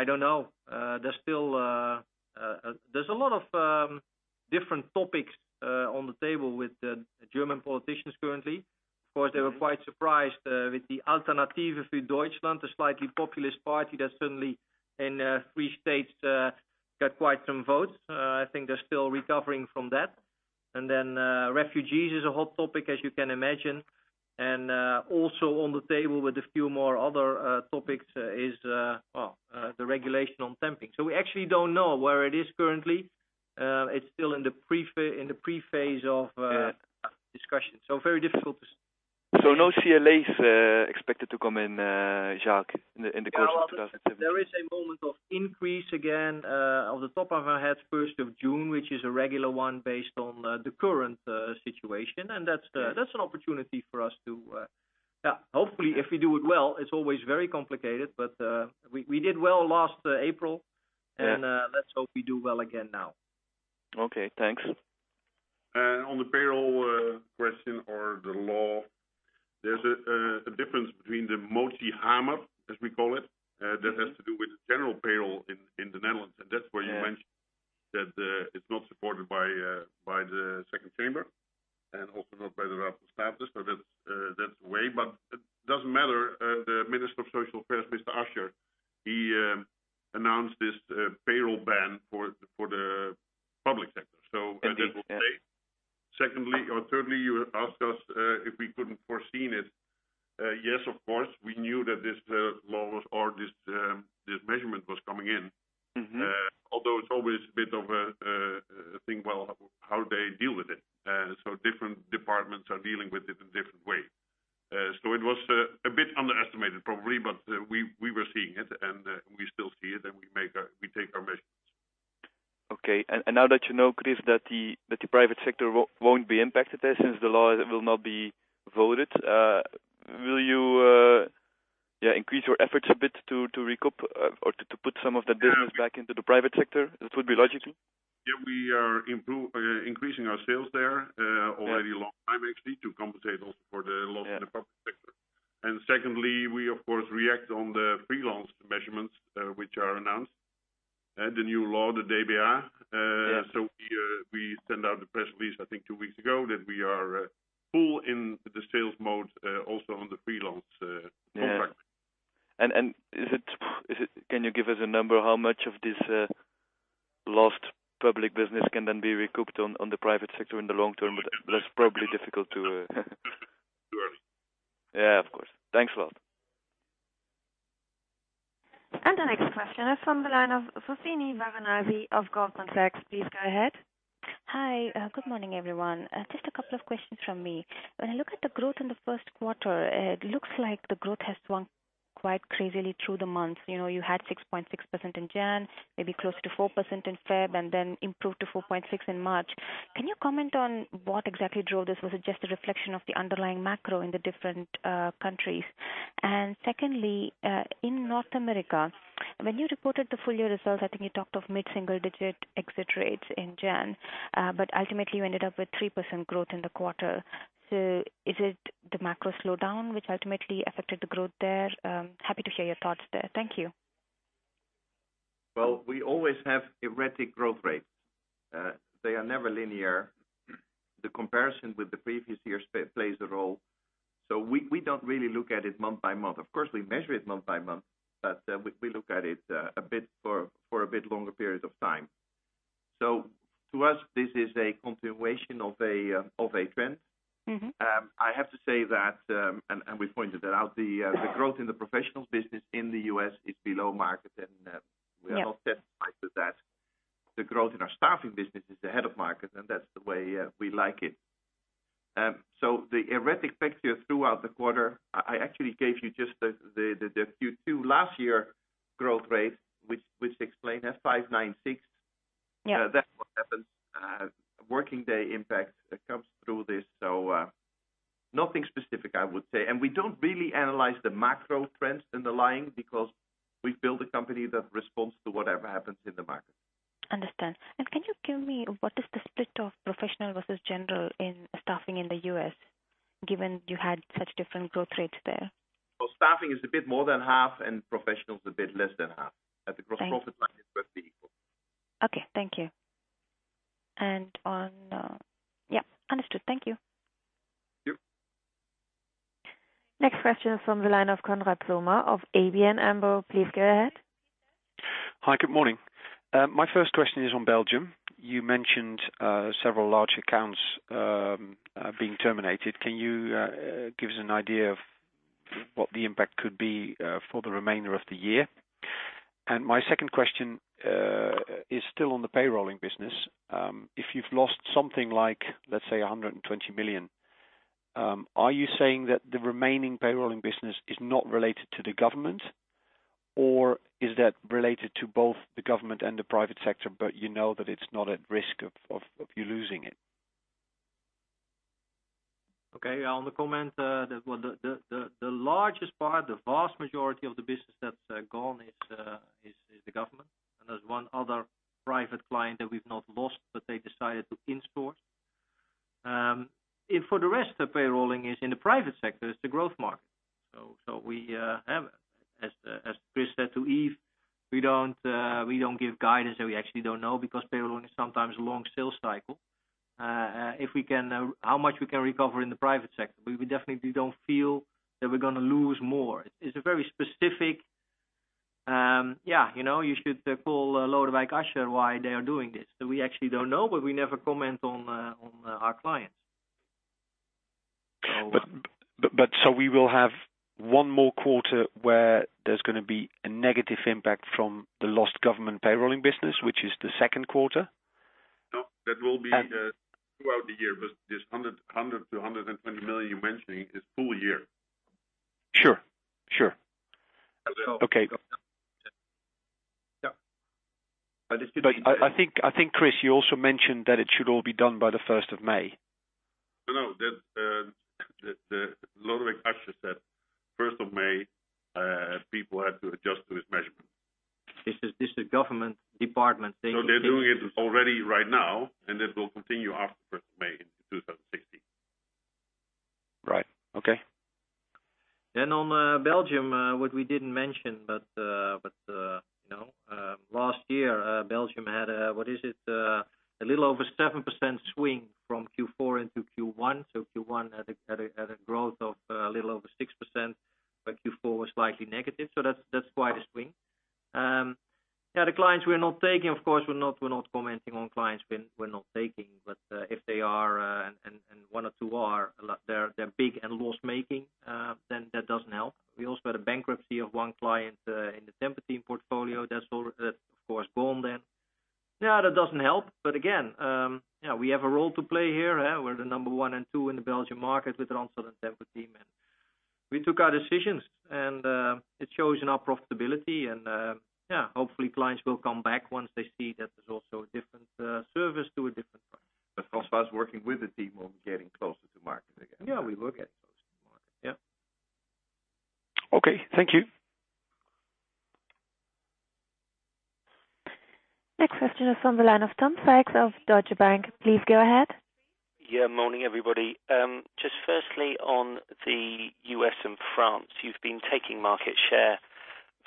don't know. There's a lot of different topics on the table with the German politicians currently. Of course, they were quite surprised with the Alternative für Deutschland, a slightly populist party that suddenly in three states got quite some votes. I think they're still recovering from that. Refugees is a hot topic, as you can imagine. Also on the table with a few more other topics is the regulation on temping. We actually don't know where it is currently. It's still in the pre-phase of discussion. Very difficult to say. No CLAs expected to come in, Jacques, in the course of 2017? There is a moment of increase again, off the top of my head, 1st of June, which is a regular one based on the current situation. That's an opportunity for us. Hopefully, if we do it well. It's always very complicated, but we did well last April. Let's hope we do well again now. Okay, thanks. On the payroll question or the law, there's a difference between the motie-Hamer, as we call it, that has to do with the general payroll in the Netherlands, and that's where you mentioned that it's not supported by the Second Chamber and also not by the Raad van State. That's the way, but it doesn't matter. The Minister of Social Affairs, Mr. Asscher, he announced this payroll ban for the public sector. That will stay. Thirdly, you asked us if we couldn't foreseen it. Yes, of course, we knew that this law or this measurement was coming in. Although it's always a bit of a thing, well, how they deal with it. Different departments are dealing with it in different ways. It was a bit underestimated, probably, but we were seeing it, and we still see it, and we take our measurements. Okay. Now that you know, Chris, that the private sector won't be impacted there since the law will not be voted, will you increase your efforts a bit to recoup or to put some of the business back into the private sector? That would be logical. Yeah, we are increasing our sales there already long time, actually, to compensate also for the loss in the public sector. Secondly, we of course react on the freelance measurements which are announced, the new law, the DBA. Yeah. We sent out the press release, I think two weeks ago, that we are full in the sales mode also on the freelance contract. Can you give us a number how much of this lost public business can then be recouped on the private sector in the long term? That's probably difficult to. Too early. Yeah, of course. Thanks a lot. The next question is from the line of Suhasini Varanasi of Goldman Sachs. Please go ahead. Hi. Good morning, everyone. Just a couple of questions from me. When I look at the growth in the first quarter, it looks like the growth has swung quite crazily through the months. You had 6.6% in January, maybe close to 4% in February, and then improved to 4.6% in March. Can you comment on what exactly drove this? Was it just a reflection of the underlying macro in the different countries? Secondly, in North America, when you reported the full year results, I think you talked of mid-single-digit exit rates in January, but ultimately you ended up with 3% growth in the quarter. Is it the macro slowdown which ultimately affected the growth there? Happy to hear your thoughts there. Thank you. Well, we always have erratic growth rates. They are never linear. The comparison with the previous year plays a role. We don't really look at it month by month. Of course, we measure it month by month, but we look at it for a bit longer period of time. To us, this is a continuation of a trend. I have to say that, and we pointed it out, the growth in the professionals business in the U.S. is below market, and we are not satisfied with that. The growth in our staffing business is ahead of market, and that's the way we like it. The erratic picture throughout the quarter, I actually gave you just the Q2 last year growth rate, which explained at 596. Yeah. That's what happens. Working day impact comes through this, nothing specific I would say. We don't really analyze the macro trends underlying because we've built a company that responds to whatever happens in the market. Understand. Can you tell me what is the split of professional versus general in staffing in the U.S., given you had such different growth rates there? Staffing is a bit more than half and professionals a bit less than half. Thanks. At the gross profit line, it's roughly equal. Okay. Thank you. Yeah, understood. Thank you. Thank you. Next question is from the line of Conrad Plummer of ABN AMRO. Please go ahead. Hi, good morning. My first question is on Belgium. You mentioned several large accounts being terminated. Can you give us an idea of what the impact could be for the remainder of the year? My second question is still on the payrolling business. If you've lost something like, let's say, 120 million, are you saying that the remaining payrolling business is not related to the government? Or is that related to both the government and the private sector, but you know that it's not at risk of you losing it? Okay. I'll comment. The largest part, the vast majority of the business that's gone is the government. There's one other private client that we've not lost, but they decided to insource. For the rest of payrolling is in the private sector, it's the growth market. We have, as Chris said to Yves, we don't give guidance that we actually don't know because payrolling is sometimes a long sales cycle. How much we can recover in the private sector? We definitely don't feel that we're going to lose more. You should call Lodewijk Asscher why they are doing this. We actually don't know, but we never comment on our clients. We will have one more quarter where there's going to be a negative impact from the lost government payrolling business, which is the second quarter? No, that will be throughout the year, but this 100 million to 120 million you're mentioning is full year. Sure. Okay. Yeah. I think, Chris, you also mentioned that it should all be done by the 1st of May. No, Lodewijk Asscher said 1st of May, people have to adjust to his measurement. This is government department- They're doing it already right now, and it will continue after 1st of May 2016. Right. Okay. On Belgium, what we didn't mention, but last year, Belgium had a, what is it, a little over 7% swing from Q4 into Q1. Q1 had a growth of a little over 6%, but Q4 was slightly negative. That's quite a swing. The clients we're not taking, of course, we're not commenting on clients we're not taking, but if they are and one or two are, they're big and loss-making, then that doesn't help. We also had a bankruptcy of one client in the Tempo-Team portfolio that's, of course, gone then. That doesn't help. Again, we have a role to play here. We're the number 1 and 2 in the Belgian market with Randstad and Tempo-Team. We took our decisions. Hopefully clients will come back once they see that there's also a different service to a different price. François is working with the team on getting closer to market again. Yeah, we look at those two markets. Yeah. Okay. Thank you. Next question is from the line of Tom Sykes of Deutsche Bank. Please go ahead. Yeah, morning, everybody. Just firstly on the U.S. and France, you've been taking market share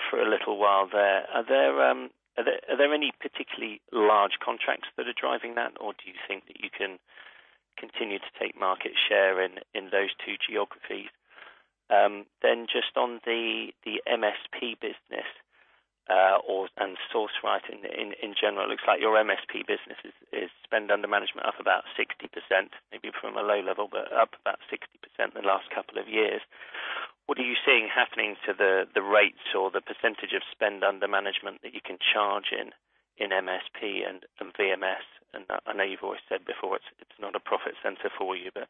for a little while there. Are there any particularly large contracts that are driving that? Do you think that you can continue to take market share in those two geographies? Just on the MSP business and SourceRight in general, it looks like your MSP business is spend under management up about 60%, maybe from a low level, but up about 60% in the last couple of years. What are you seeing happening to the rates or the percentage of spend under management that you can charge in MSP and VMS? I know you've always said before, it's not a profit center for you, but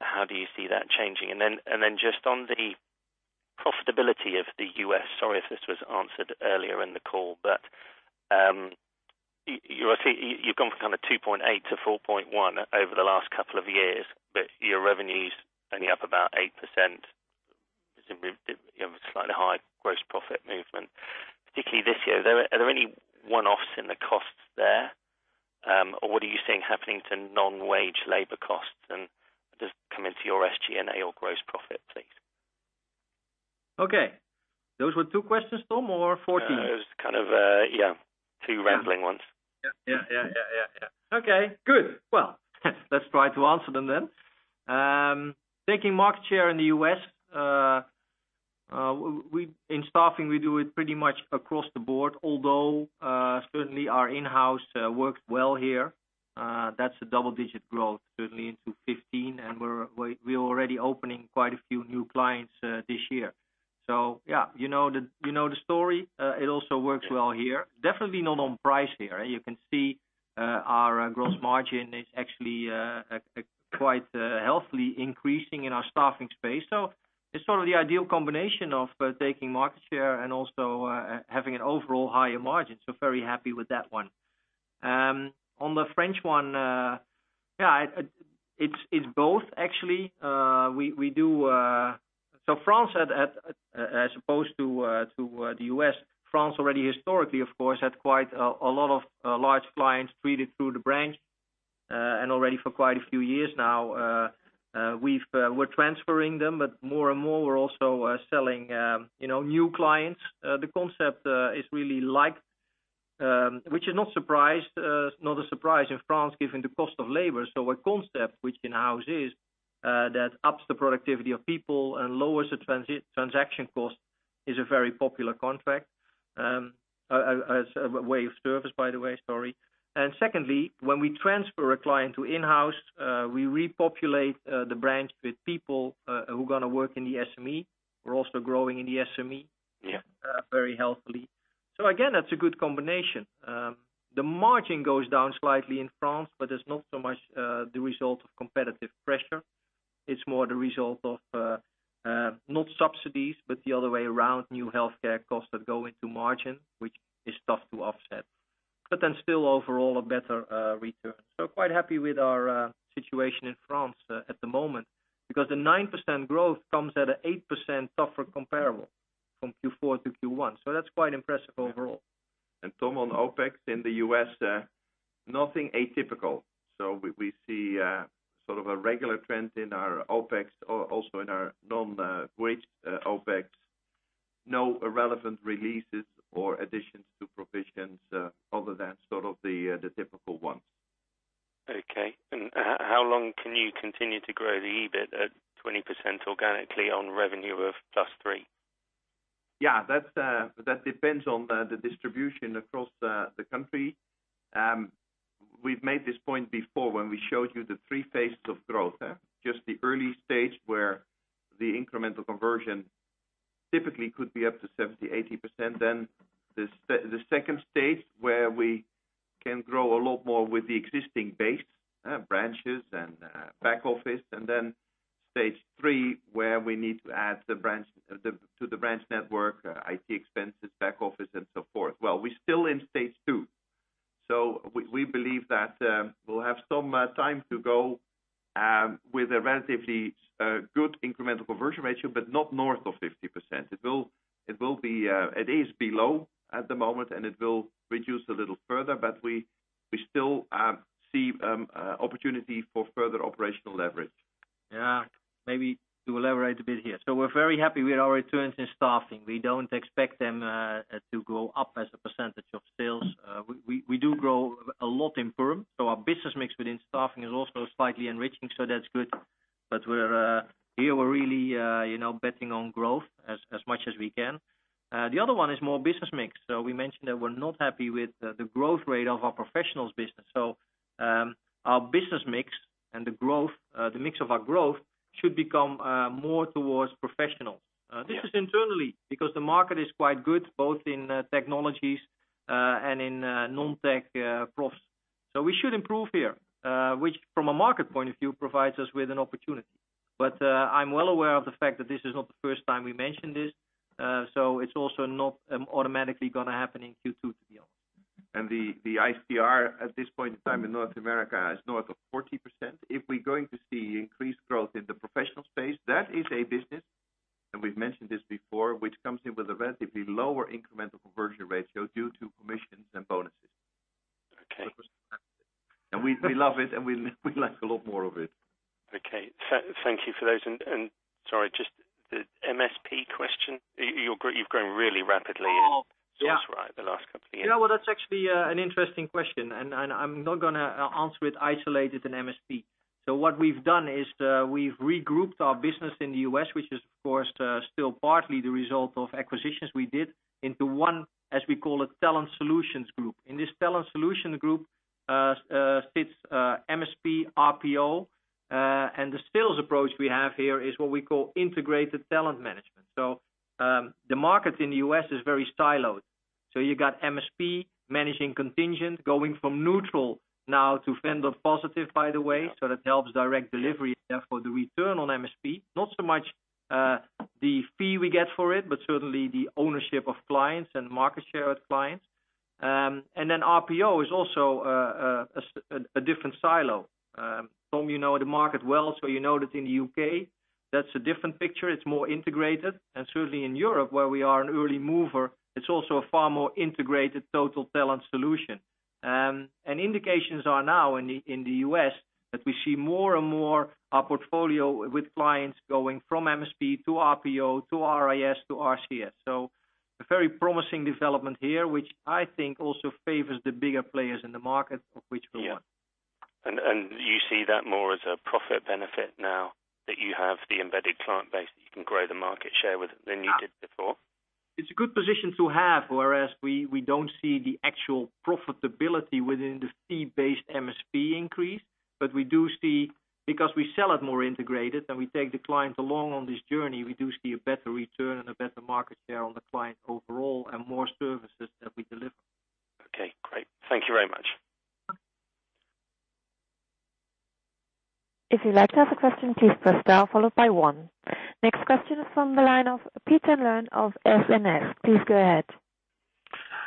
how do you see that changing? Just on the profitability of the U.S., sorry if this was answered earlier in the call, but I see you've gone from 2.8% to 4.1% over the last couple of years, but your revenue's only up about 8%, slightly high gross profit movement, particularly this year. Are there any one-offs in the costs there? Or what are you seeing happening to non-wage labor costs and To your SG&A or gross profit, please. Okay. Those were 2 questions, Tom, or 14? It was kind of, yeah, 2 rambling ones. Yeah. Okay, good. Let's try to answer them then. Taking market share in the U.S., in staffing, we do it pretty much across the board, although, certainly our Inhouse works well here. That's a double-digit growth certainly into 2015, and we're already opening quite a few new clients this year. Yeah, you know the story. It also works well here. Definitely not on price here. You can see our gross margin is actually quite healthily increasing in our staffing space. It's sort of the ideal combination of taking market share and also having an overall higher margin. Very happy with that one. On the French one, it's both actually. France as opposed to the U.S., France already historically, of course, had quite a lot of large clients treated through the branch. Already for quite a few years now, we're transferring them, but more and more we're also selling new clients. The concept is really liked, which is not a surprise in France given the cost of labor. A concept which Inhouse is that ups the productivity of people and lowers the transaction cost is a very popular contract as a way of service, by the way, sorry. Secondly, when we transfer a client to Inhouse, we repopulate the branch with people who are going to work in the SME. We're also growing in the SME very healthily. Again, that's a good combination. The margin goes down slightly in France, it's not so much the result of competitive pressure. It's more the result of, not subsidies, but the other way around, new healthcare costs that go into margin, which is tough to offset. Still overall a better return. Quite happy with our situation in France at the moment because the 9% growth comes at an 8% tougher comparable from Q4 to Q1. That's quite impressive overall. Tom, on OpEx in the U.S., nothing atypical. We see sort of a regular trend in our OpEx, also in our non-wage OpEx. No irrelevant releases or additions to provisions other than sort of the typical ones. Okay. How long can you continue to grow the EBIT at 20% organically on revenue of +3%? Yeah. That depends on the distribution across the country. We've made this point before when we showed you the 3 phases of growth. The early stage where the incremental conversion typically could be up to 70%-80%. The second stage, where we can grow a lot more with the existing base, branches, and back office. Stage 3, where we need to add to the branch network, IT expenses, back office and so forth. We're still in stage 2. We believe that we'll have some time to go with a relatively good incremental conversion ratio, but not north of 50%. It is below at the moment and it will reduce a little further, but we still see opportunity for further operational leverage. Yeah. Maybe to elaborate a bit here. We're very happy with our returns in staffing. We don't expect them to go up as a percentage of sales. We do grow a lot in perm. Our business mix within staffing is also slightly enriching, so that's good. Here we're really betting on growth as much as we can. The other one is more business mix. We mentioned that we're not happy with the growth rate of our professionals business. Our business mix and the mix of our growth should become more towards professionals. Yeah. This is internally because the market is quite good, both in technologies and in non-tech profs. We should improve here, which from a market point of view, provides us with an opportunity. I'm well aware of the fact that this is not the first time we mentioned this. It's also not automatically going to happen in Q2 to be honest. The ICR at this point in time in North America is north of 40%. If we're going to see increased growth in the professional space, that is a business, and we've mentioned this before, which comes in with a relatively lower incremental conversion ratio due to commissions and bonuses. Okay. We love it and we'd like a lot more of it. Okay. Thank you for those. Sorry, just the MSP question. You've grown really rapidly Sourceright? The last couple of years. That's actually an interesting question, and I'm not going to answer it isolated in MSP. What we've done is, we've regrouped our business in the U.S., which is of course, still partly the result of acquisitions we did into one, as we call it, talent solutions group. In this talent solution group, sits MSP, RPO. The sales approach we have here is what we call integrated talent management. The market in the U.S. is very siloed. You got MSP managing contingent, going from neutral now to vendor positive, by the way. That helps direct delivery and therefore the return on MSP, not so much the fee we get for it, but certainly the ownership of clients and market share with clients. RPO is also a different silo. Tom, you know the market well, so you know that in the U.K. That's a different picture. It's more integrated. Certainly in Europe, where we are an early mover, it's also a far more integrated total talent solution. Indications are now in the U.S. that we see more and more our portfolio with clients going from MSP to RPO to RIS to RCS. A very promising development here, which I think also favors the bigger players in the market, of which we are one. Yeah. You see that more as a profit benefit now that you have the embedded client base that you can grow the market share with than you did before? It's a good position to have, whereas we don't see the actual profitability within the fee-based MSP increase. We do see, because we sell it more integrated and we take the client along on this journey, we do see a better return and a better market share on the client overall and more services that we deliver. Okay, great. Thank you very much. If you'd like to ask a question, please press star followed by one. Next question is from the line of Peter O'Loughlin of SNS. Please go ahead.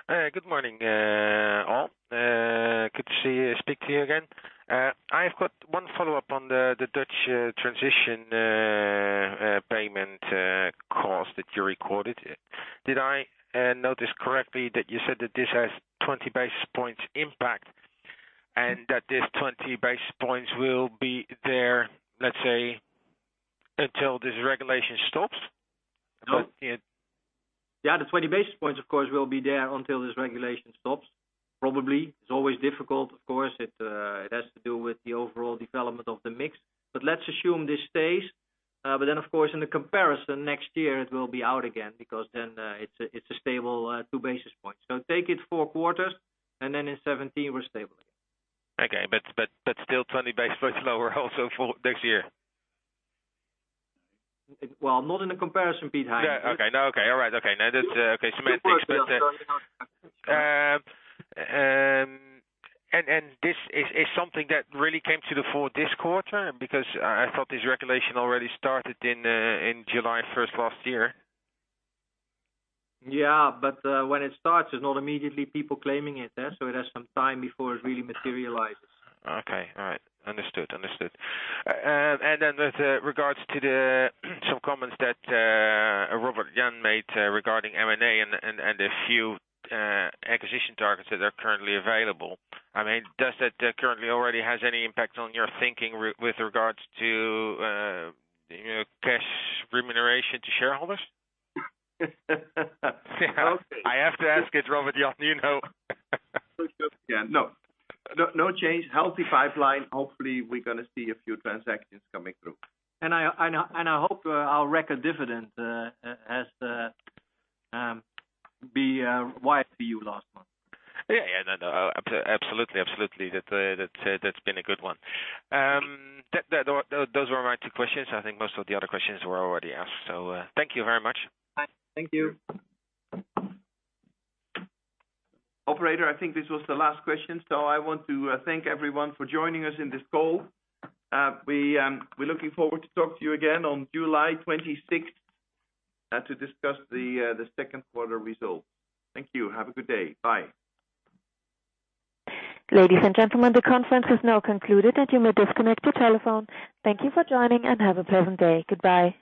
Good morning, all. Good to speak to you again. I've got one follow-up on the Dutch transition payment cost that you recorded. Did I notice correctly that you said that this has 20 basis points impact and that this 20 basis points will be there, let's say, until this regulation stops? No. Yeah, the 20 basis points, of course, will be there until this regulation stops. Probably. It's always difficult, of course. It has to do with the overall development of the mix. Let's assume this stays. Then, of course, in the comparison next year, it will be out again because then it's a stable 2 basis points. Take it four quarters, and then in 2017, we're stable again. Okay. Still 20 basis points lower also for next year? Well, not in the comparison, Peter. Yeah, okay. No, okay. All right. Okay. No, that's okay. Semantics. Two quarters down. This is something that really came to the fore this quarter? I thought this regulation already started in July 1st last year. When it starts, it's not immediately people claiming it. It has some time before it really materializes. Okay. All right. Understood. With regards to some comments that Robert Jan made regarding M&A and a few acquisition targets that are currently available, does that currently already have any impact on your thinking with regards to cash remuneration to shareholders? Okay. I have to ask it, Robert Jan. No. No change. Healthy pipeline. Hopefully, we're going to see a few transactions coming through. I hope our record dividend has to be wise for you last month. Yeah. No, absolutely. That's been a good one. Those were my two questions. I think most of the other questions were already asked. Thank you very much. Thank you. Operator, I think this was the last question. I want to thank everyone for joining us in this call. We're looking forward to talk to you again on July 26th to discuss the second quarter results. Thank you. Have a good day. Bye. Ladies and gentlemen, the conference is now concluded, and you may disconnect your telephone. Thank you for joining, and have a pleasant day. Goodbye.